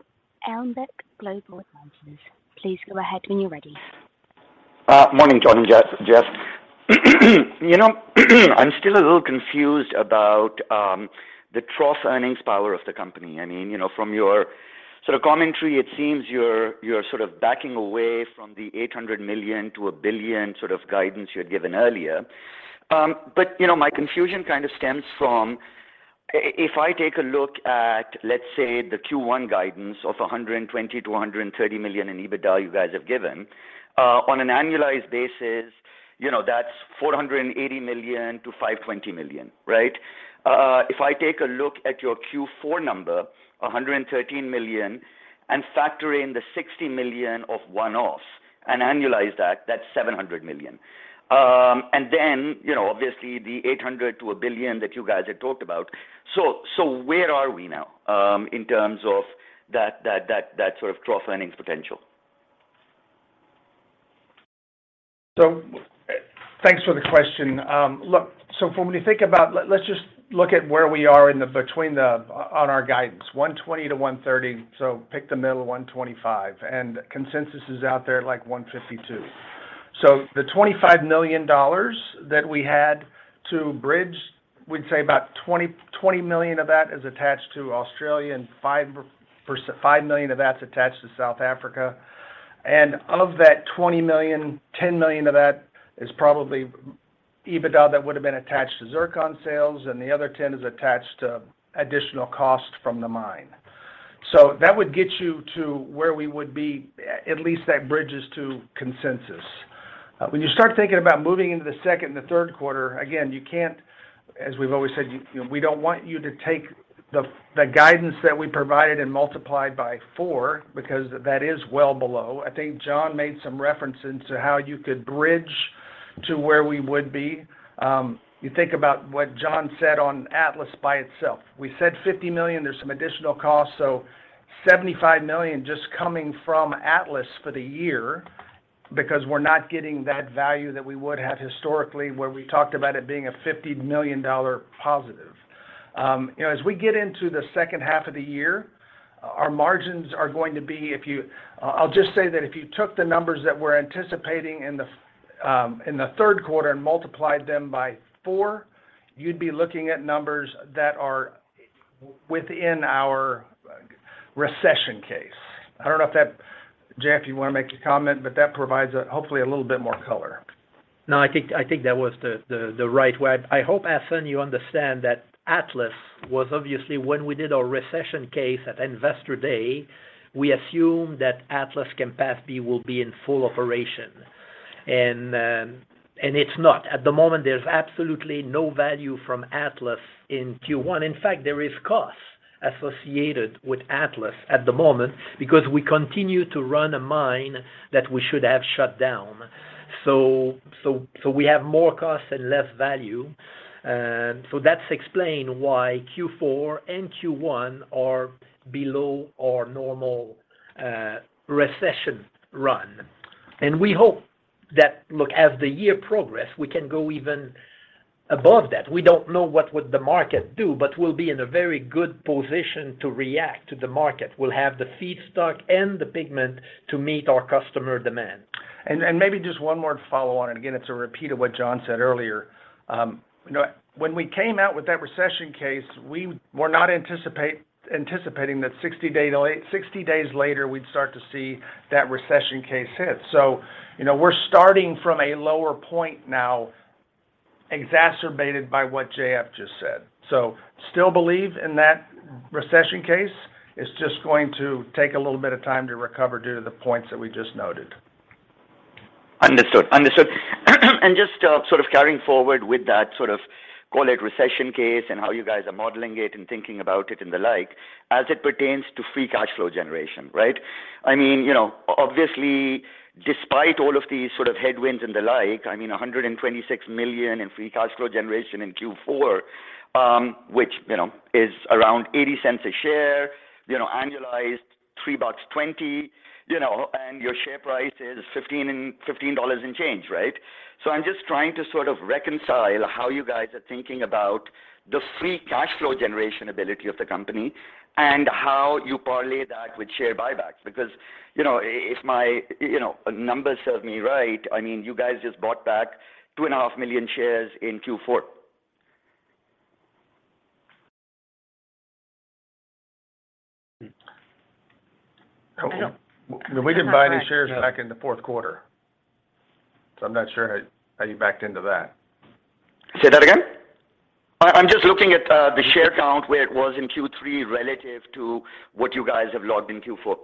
Alembic Global Advisors. Please go ahead when you're ready. Morning, John and Jeff. You know, I'm still a little confused about the trough earnings power of the company. I mean, you know, from your sort of commentary, it seems you're sort of backing away from the $800 million-$1 billion sort of guidance you had given earlier. My confusion kind of stems from if I take a look at, let's say, the Q1 guidance of $120 million-$130 million in EBITDA you guys have given, on an annualized basis, you know, that's $480 million-$520 million, right? If I take a look at your Q4 number, $113 million, and factor in the $60 million of one-offs and annualize that's $700 million. You know, obviously the $800 million to $1 billion that you guys had talked about. Where are we now, in terms of that sort of cross-earnings potential? Thanks for the question. When you think about where we are on our guidance, $120-$130, pick the middle, $125. Consensus is out there at, like, $152. The $25 million that we had to bridge, we'd say about $20 million of that is attached to Australia, and $5 million of that's attached to South Africa. Of that $20 million, $10 million of that is probably EBITDA that would've been attached to zircon sales, and the other $10 million is attached to additional cost from the mine. That would get you to where we would be, at least that bridges to consensus. When you start thinking about moving into the second and the third quarter, again, you can't, as we've always said, you know, we don't want you to take the guidance that we provided and multiply it by four, because that is well below. I think John made some reference into how you could bridge to where we would be. You think about what John said on Atlas by itself. We said $50 million, there's some additional costs, so $75 million just coming from Atlas for the year because we're not getting that value that we would have historically, where we talked about it being a $50 million positive. You know, as we get into the second half of the year, our margins are going to be, if you... I'll just say that if you took the numbers that we're anticipating in the 3rd quarter and multiplied them by 4, you'd be looking at numbers that are within our recession case. I don't know if that. JF, you wanna make a comment? That provides hopefully a little bit more color. No, I think that was the right way. I hope, Ahsan, you understand that Atlas was obviously, when we did our recession case at Investor Day, we assumed that Atlas capacity will be in full operation and it's not. At the moment, there's absolutely no value from Atlas in Q1. In fact, there is costs associated with Atlas at the moment because we continue to run a mine that we should have shut down. We have more costs and less value. That's explain why Q4 and Q1 are below our normal recession run. We hope that, look, as the year progress, we can go even above that. We don't know what would the market do, but we'll be in a very good position to react to the market. We'll have the feedstock and the pigment to meet our customer demand. Maybe just one more to follow on. Again, it's a repeat of what John said earlier. You know, when we came out with that recession case, we were not anticipating that 60 day to late, 60 days later we'd start to see that recession case hit. You know, we're starting from a lower point now, exacerbated by what JF just said. Still believe in that recession case. It's just going to take a little bit of time to recover due to the points that we just noted. Understood. Understood. Just sort of carrying forward with that sort of, call it recession case and how you guys are modeling it and thinking about it and the like, as it pertains to free cash flow generation, right? I mean, you know, obviously, despite all of these sort of headwinds and the like, I mean, $126 million in free cash flow generation in Q4, which, you know, is around $0.80 a share, you know, annualized $3.20, you know, and your share price is $15 and change, right? I'm just trying to sort of reconcile how you guys are thinking about the free cash flow generation ability of the company and how you parlay that with share buybacks. Because, you know, if my, you know, numbers serves me right, I mean, you guys just bought back two and a half million shares in Q4. Yeah. We didn't buy any shares back in the fourth quarter, so I'm not sure how you backed into that. Say that again. I'm just looking at the share count where it was in Q3 relative to what you guys have logged in Q4.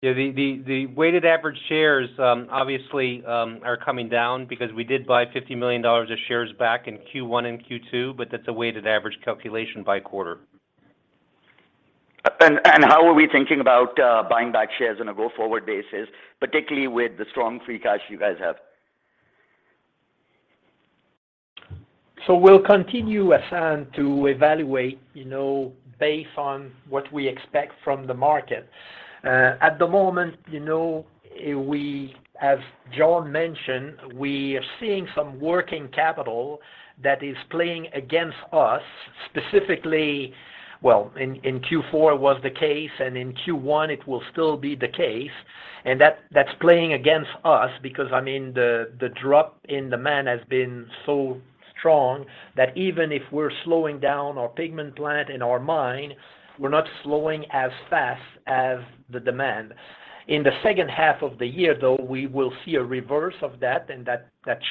Yeah, the weighted average shares, obviously, are coming down because we did buy $50 million of shares back in Q1 and Q2, but that's a weighted average calculation by quarter. How are we thinking about buying back shares on a go-forward basis, particularly with the strong free cash you guys have? We'll continue, Ahsan, to evaluate, you know, based on what we expect from the market. At the moment, you know, we, as John mentioned, we are seeing some working capital that is playing against us in Q4 was the case, and in Q1 it will still be the case, and that's playing against us because, I mean, the drop in demand has been so strong. Even if we're slowing down our pigment plant and our mine, we're not slowing as fast as the demand. In the second half of the year, though, we will see a reverse of that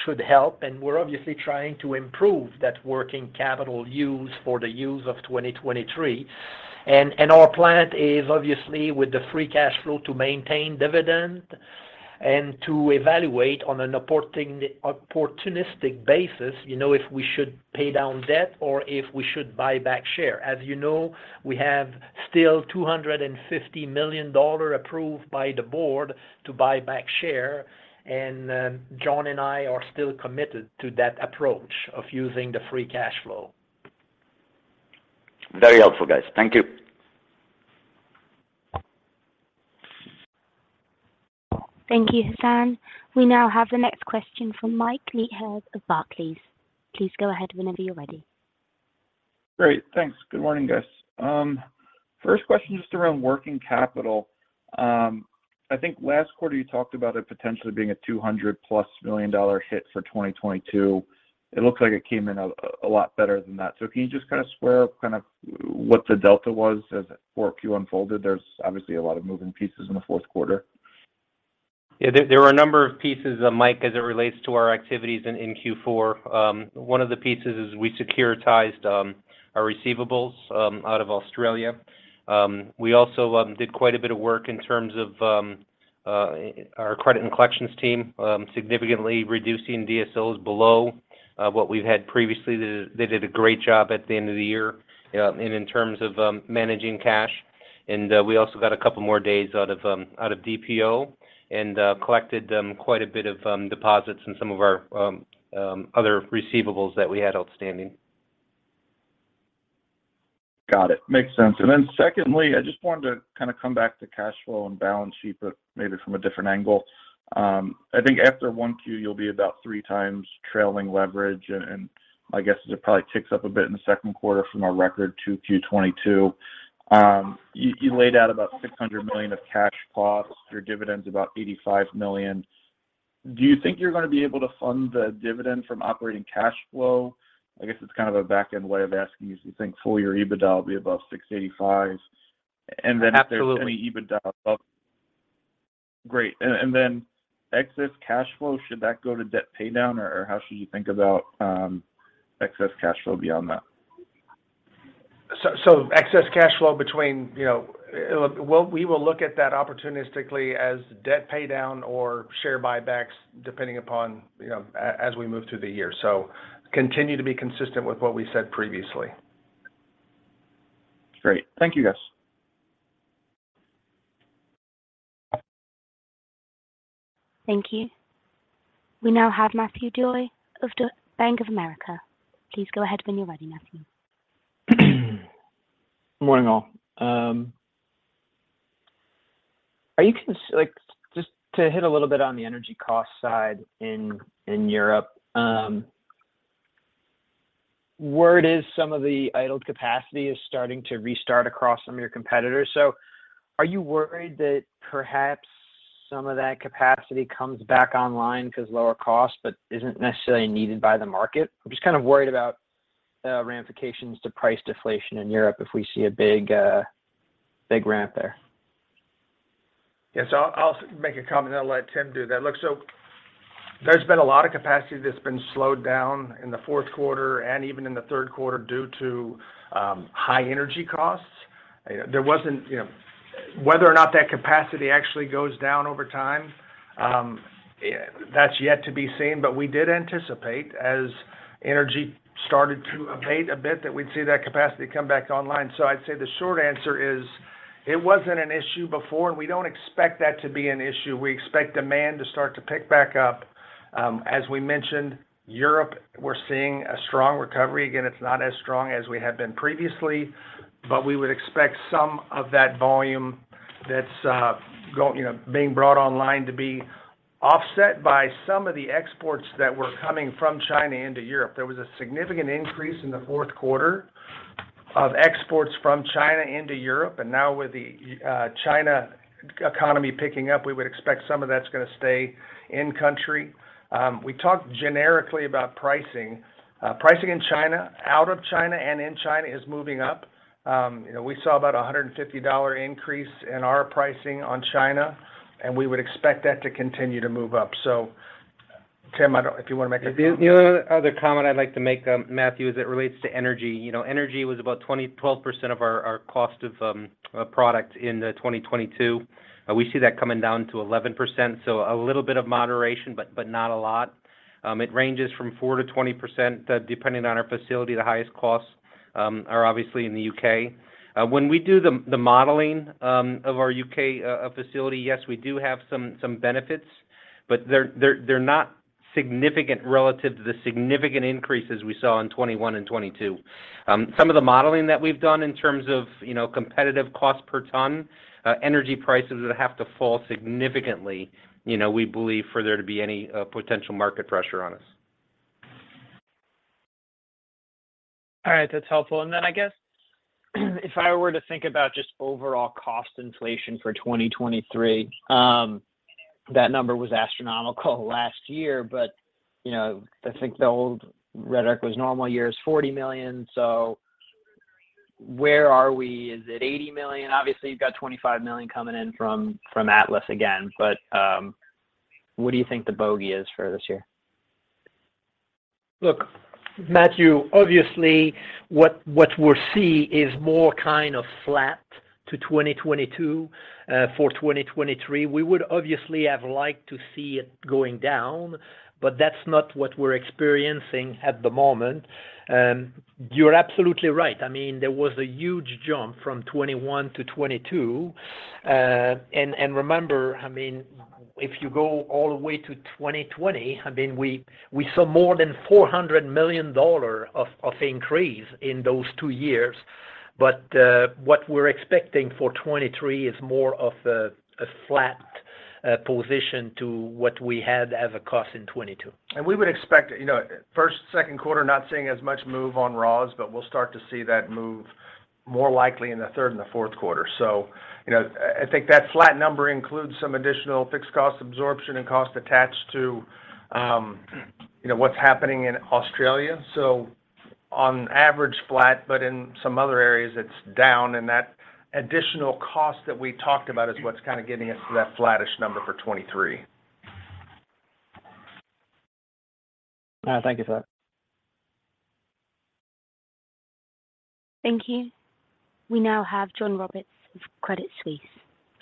should help, we're obviously trying to improve that working capital use for the use of 2023. Our plan is obviously with the free cash flow to maintain dividend and to evaluate on an opportunistic basis, you know, if we should pay down debt or if we should buy back share. As you know, we have still $250 million approved by the board to buy back share, John and I are still committed to that approach of using the free cash flow. Very helpful, guys. Thank you. Thank you, Hassan. We now have the next question from Michael Leithead of Barclays. Please go ahead whenever you're ready. Great. Thanks. Good morning, guys. First question just around working capital. I think last quarter you talked about it potentially being a $200 million+ hit for 2022. It looks like it came in a lot better than that. Can you just kind of square kind of what the delta was as 4Q unfolded? There's obviously a lot of moving pieces in the fourth quarter. Yeah. There were a number of pieces, Mike, as it relates to our activities in Q4. One of the pieces is we securitized our receivables out of Australia. We also did quite a bit of work in terms of our credit and collections team, significantly reducing DSOs below what we've had previously. They did a great job at the end of the year in terms of managing cash. We also got a couple more days out of DPO and collected quite a bit of deposits in some of our other receivables that we had outstanding. Got it. Makes sense. Secondly, I just wanted to kind of come back to cash flow and balance sheet, but maybe from a different angle. I think after 1Q, you'll be about 3 times trailing leverage, my guess is it probably ticks up a bit in the second quarter from a record 2Q22. You laid out about $600 million of cash costs, your dividend's about $85 million. Do you think you're gonna be able to fund the dividend from operating cash flow? I guess it's kind of a back-end way of asking you if you think full year EBITDA will be above $685 million. If there's any Absolutely. EBITDA. Great. Excess cash flow, should that go to debt pay down or how should you think about, excess cash flow beyond that? Excess cash flow between, you know, We will look at that opportunistically as debt pay down or share buybacks, depending upon, you know, as we move through the year. Continue to be consistent with what we said previously. Great. Thank you, guys. Thank you. We now have Matthew DeYoe of Bank of America. Please go ahead when you're ready, Matthew. Morning, all. Like, just to hit a little bit on the energy cost side in Europe, word is some of the idled capacity is starting to restart across some of your competitors. Are you worried that perhaps some of that capacity comes back online 'cause lower cost, but isn't necessarily needed by the market? I'm just kind of worried about ramifications to price deflation in Europe if we see a big, big ramp there. Yes. I'll make a comment, then I'll let Tim do that. Look, there's been a lot of capacity that's been slowed down in the fourth quarter and even in the third quarter due to high energy costs. There wasn't, you know... Whether or not that capacity actually goes down over time, that's yet to be seen. We did anticipate as energy started to abate a bit, that we'd see that capacity come back online. I'd say the short answer is it wasn't an issue before, and we don't expect that to be an issue. We expect demand to start to pick back up. As we mentioned, Europe, we're seeing a strong recovery. It's not as strong as we have been previously, but we would expect some of that volume that's, you know, being brought online to be offset by some of the exports that were coming from China into Europe. There was a significant increase in the fourth quarter of exports from China into Europe, now with the China economy picking up, we would expect some of that's gonna stay in country. We talked generically about pricing. Pricing in China, out of China and in China is moving up. You know, we saw about a $150 increase in our pricing on China, and we would expect that to continue to move up. Tim, I don't... If you wanna make a comment. The only other comment I'd like to make, Matthew, as it relates to energy. You know, energy was about 20, 12% of our cost of product in 2022. We see that coming down to 11%, so a little bit of moderation, but not a lot. It ranges from 4%-20% depending on our facility. The highest costs are obviously in the U.K. When we do the modeling of our U.K. facility, yes, we do have some benefits, but they're not significant relative to the significant increases we saw in 2021 and 2022. Some of the modeling that we've done in terms of, you know, competitive cost per ton, energy prices would have to fall significantly, you know, we believe, for there to be any potential market pressure on us. All right, that's helpful. I guess if I were to think about just overall cost inflation for 2023, that number was astronomical last year, but, you know, I think the old rhetoric was normal years $40 million. Where are we? Is it $80 million? Obviously, you've got $25 million coming in from Atlas again, what do you think the bogey is for this year? Look, Matthew DeYoe, obviously, what we'll see is more kind of flat to 2022 for 2023. We would obviously have liked to see it going down, but that's not what we're experiencing at the moment. You're absolutely right. I mean, there was a huge jump from 2021 to 2022. Remember, I mean, if you go all the way to 2020, I mean, we saw more than $400 million of increase in those two years. What we're expecting for 2023 is more of a flat position to what we had as a cost in 2022. We would expect, you know, first, second quarter not seeing as much move on raws, but we'll start to see that move more likely in the third and the fourth quarter. You know, I think that flat number includes some additional fixed cost absorption and cost attached to, you know, what's happening in Australia. On average flat, but in some other areas, it's down. That additional cost that we talked about is what's kinda getting us to that flattish number for 23. Thank you, sir. Thank you. We now have John Roberts of Credit Suisse.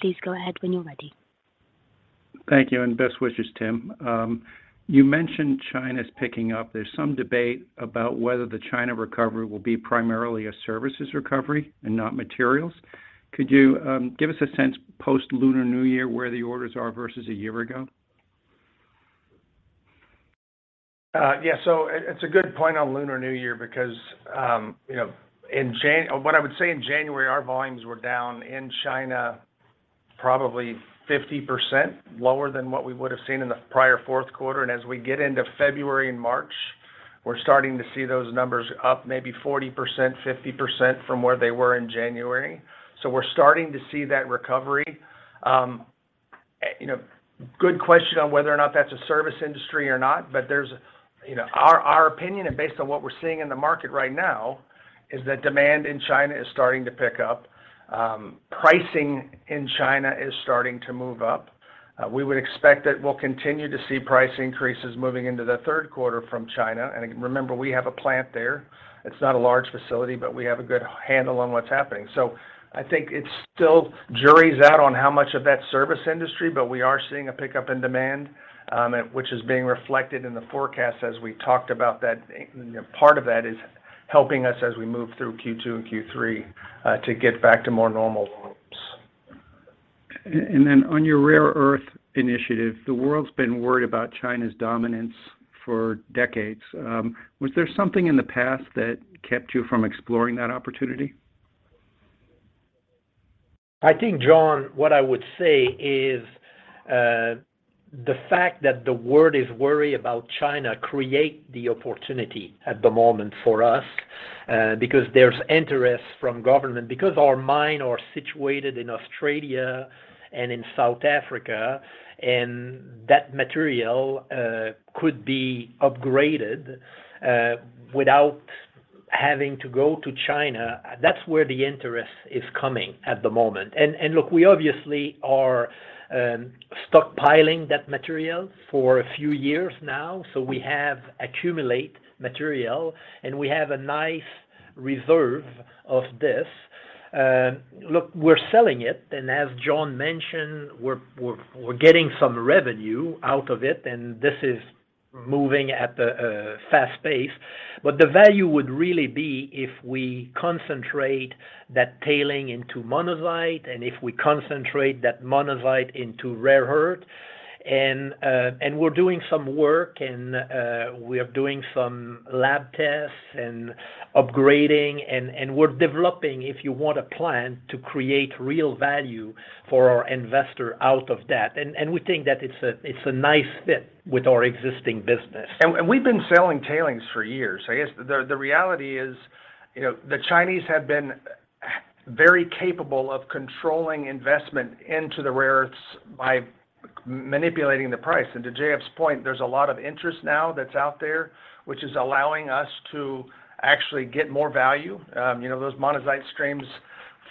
Please go ahead when you're ready. Thank you, and best wishes, Tim. You mentioned China's picking up. There's some debate about whether the China recovery will be primarily a services recovery and not materials. Could you give us a sense post-Lunar New Year, where the orders are versus a year ago? Yeah. It's a good point on Lunar New Year because, you know, in January, our volumes were down in China, probably 50% lower than what we would have seen in the prior fourth quarter. As we get into February and March, we're starting to see those numbers up maybe 40%, 50% from where they were in January. We're starting to see that recovery. You know, good question on whether or not that's a service industry or not, but our opinion and based on what we're seeing in the market right now is that demand in China is starting to pick up. Pricing in China is starting to move up. We would expect that we'll continue to see price increases moving into the third quarter from China. Remember, we have a plant there. It's not a large facility, but we have a good handle on what's happening. I think it still jury's out on how much of that service industry, but we are seeing a pickup in demand, which is being reflected in the forecast as we talked about that. You know, part of that is helping us as we move through Q2 and Q3 to get back to more normal volumes. On your rare earth initiative, the world's been worried about China's dominance for decades. Was there something in the past that kept you from exploring that opportunity? I think, John, what I would say is, the fact that the world is worried about China create the opportunity at the moment for us, because there's interest from government. Because our mine are situated in Australia and in South Africa, and that material could be upgraded without having to go to China, that's where the interest is coming at the moment. Look, we obviously are stockpiling that material for a few years now, so we have accumulate material, and we have a nice reserve of this. Look, we're selling it, and as John mentioned, we're getting some revenue out of it, and this is moving at a fast pace. The value would really be if we concentrate that tailing into monazite and if we concentrate that monazite into rare earth. We're doing some work and we are doing some lab tests and upgrading and we're developing, if you want, a plan to create real value for our investor out of that. We think that it's a, it's a nice fit with our existing business. We've been selling tailings for years. I guess the reality is, you know, the Chinese have been very capable of controlling investment into the rare earths by manipulating the price. To J.F.'s point, there's a lot of interest now that's out there, which is allowing us to actually get more value. You know, those monazite streams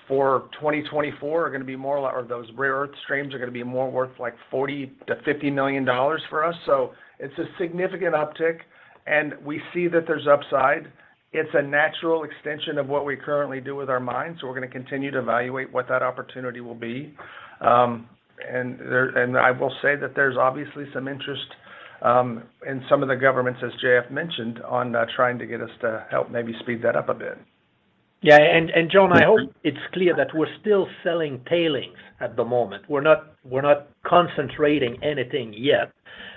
for 2024 are gonna be more or those rare earth streams are gonna be more worth like $40 million-$50 million for us. It's a significant uptick, and we see that there's upside. It's a natural extension of what we currently do with our mines, so we're gonna continue to evaluate what that opportunity will be. And there... I will say that there's obviously some interest, in some of the governments, as JF mentioned, on trying to get us to help maybe speed that up a bit. Yeah. John, I hope it's clear that we're still selling tailings at the moment. We're not concentrating anything yet,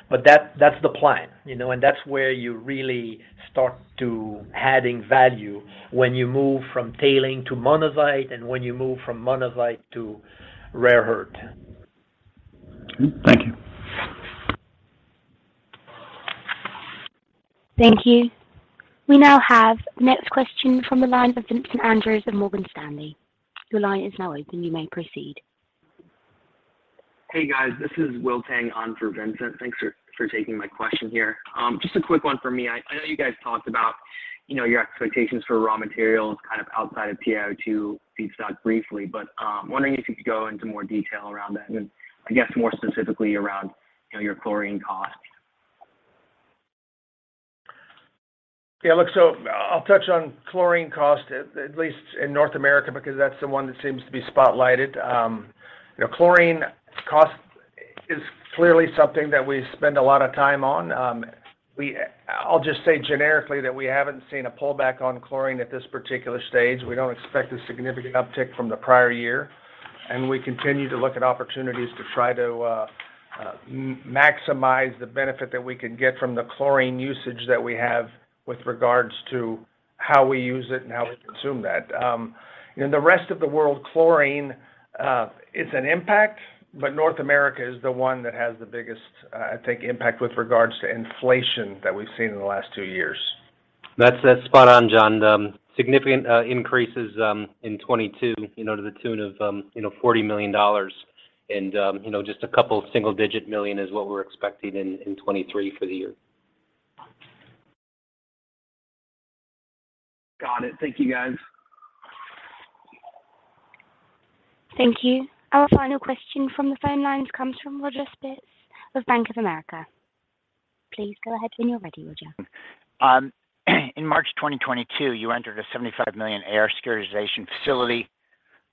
but that's the plan, you know. That's where you really start to adding value, when you move from tailing to monazite and when you move from monazite to rare earth. Thank you. Thank you. We now have next question from the line of Vincent Andrews of Morgan Stanley. Your line is now open. You may proceed. Hey guys, this is Will Tang on for Vincent. Thanks for taking my question here. Just a quick one for me. I know you guys talked about, you know, your expectations for raw materials kind of outside of PI2 feedstock briefly, but wondering if you could go into more detail around that, and I guess more specifically around, you know, your chlorine costs. Yeah. Look. I'll touch on chlorine cost, at least in North America because that's the one that seems to be spotlighted. You know, chlorine cost is clearly something that we spend a lot of time on. I'll just say generically that we haven't seen a pullback on chlorine at this particular stage. We don't expect a significant uptick from the prior year, and we continue to look at opportunities to try to maximize the benefit that we can get from the chlorine usage that we have with regards to how we use it and how we consume that. In the rest of the world, chlorine, it's an impact, but North America is the one that has the biggest, I think, impact with regards to inflation that we've seen in the last two years. That's spot on, John. Significant increases in 2022, you know, to the tune of, you know, $40 million and, you know, just a couple single-digit million is what we're expecting in 2023 for the year. Got it. Thank you, guys. Thank you. Our final question from the phone lines comes from Roger Spitz of Bank of America. Please go ahead when you're ready, Roger. In March 2022, you entered a $75 million AR securitization facility.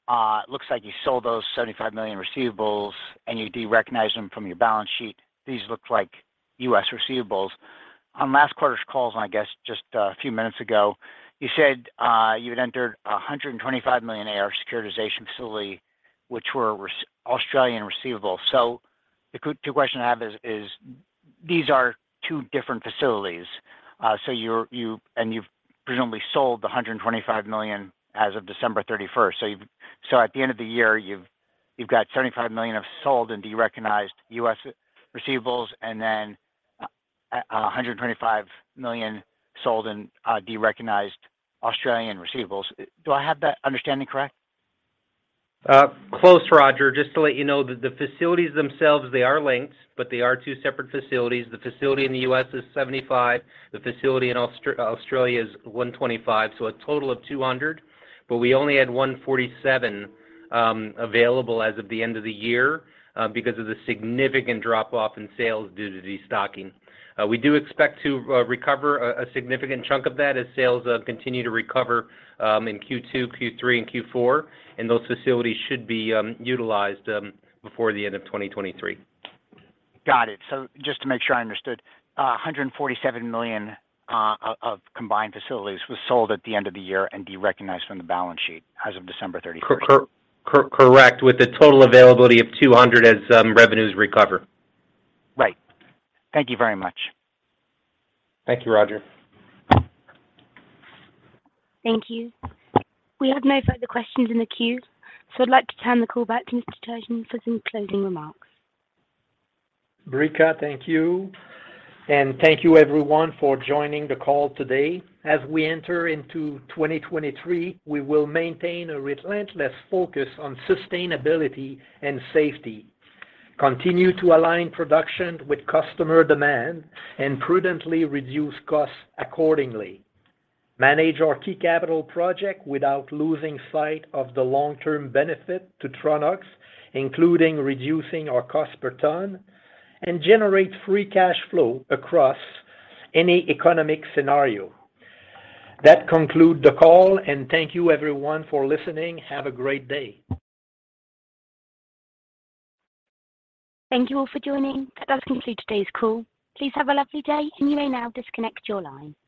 It looks like you sold those $75 million receivables, and you derecognized them from your balance sheet. These look like U.S. receivables. On last quarter's calls, and I guess just a few minutes ago, you said, you had entered a $125 million AR securitization facility, which were Australian receivables. The two questions I have is, these are two different facilities. You're, and you've presumably sold the $125 million as of December 31st. At the end of the year, you've got $75 million of sold and derecognized U.S. receivables and then a $125 million sold and derecognized Australian receivables. Do I have that understanding correct? Close, Roger. Just to let you know that the facilities themselves, they are linked, but they are two separate facilities. The facility in the US is 75. The facility in Australia is 125, so a total of 200. We only had 147 available as of the end of the year because of the significant drop-off in sales due to destocking. We do expect to recover a significant chunk of that as sales continue to recover in Q2, Q3, and Q4, and those facilities should be utilized before the end of 2023. Got it. Just to make sure I understood, $147 million of combined facilities was sold at the end of the year and derecognized from the balance sheet as of December 31st. Correct, with the total availability of $200 as revenues recover. Right. Thank you very much. Thank you, Roger. Thank you. We have no further questions in the queue. I'd like to turn the call back to Mr. Turgeon for some closing remarks. Brika, thank you. Thank you everyone for joining the call today. As we enter into 2023, we will maintain a relentless focus on sustainability and safety, continue to align production with customer demand, and prudently reduce costs accordingly. Manage our key capital project without losing sight of the long-term benefit to Tronox, including reducing our cost per ton, and generate free cash flow across any economic scenario. That conclude the call, and thank you everyone for listening. Have a great day. Thank you all for joining. That does conclude today's call. Please have a lovely day, and you may now disconnect your line.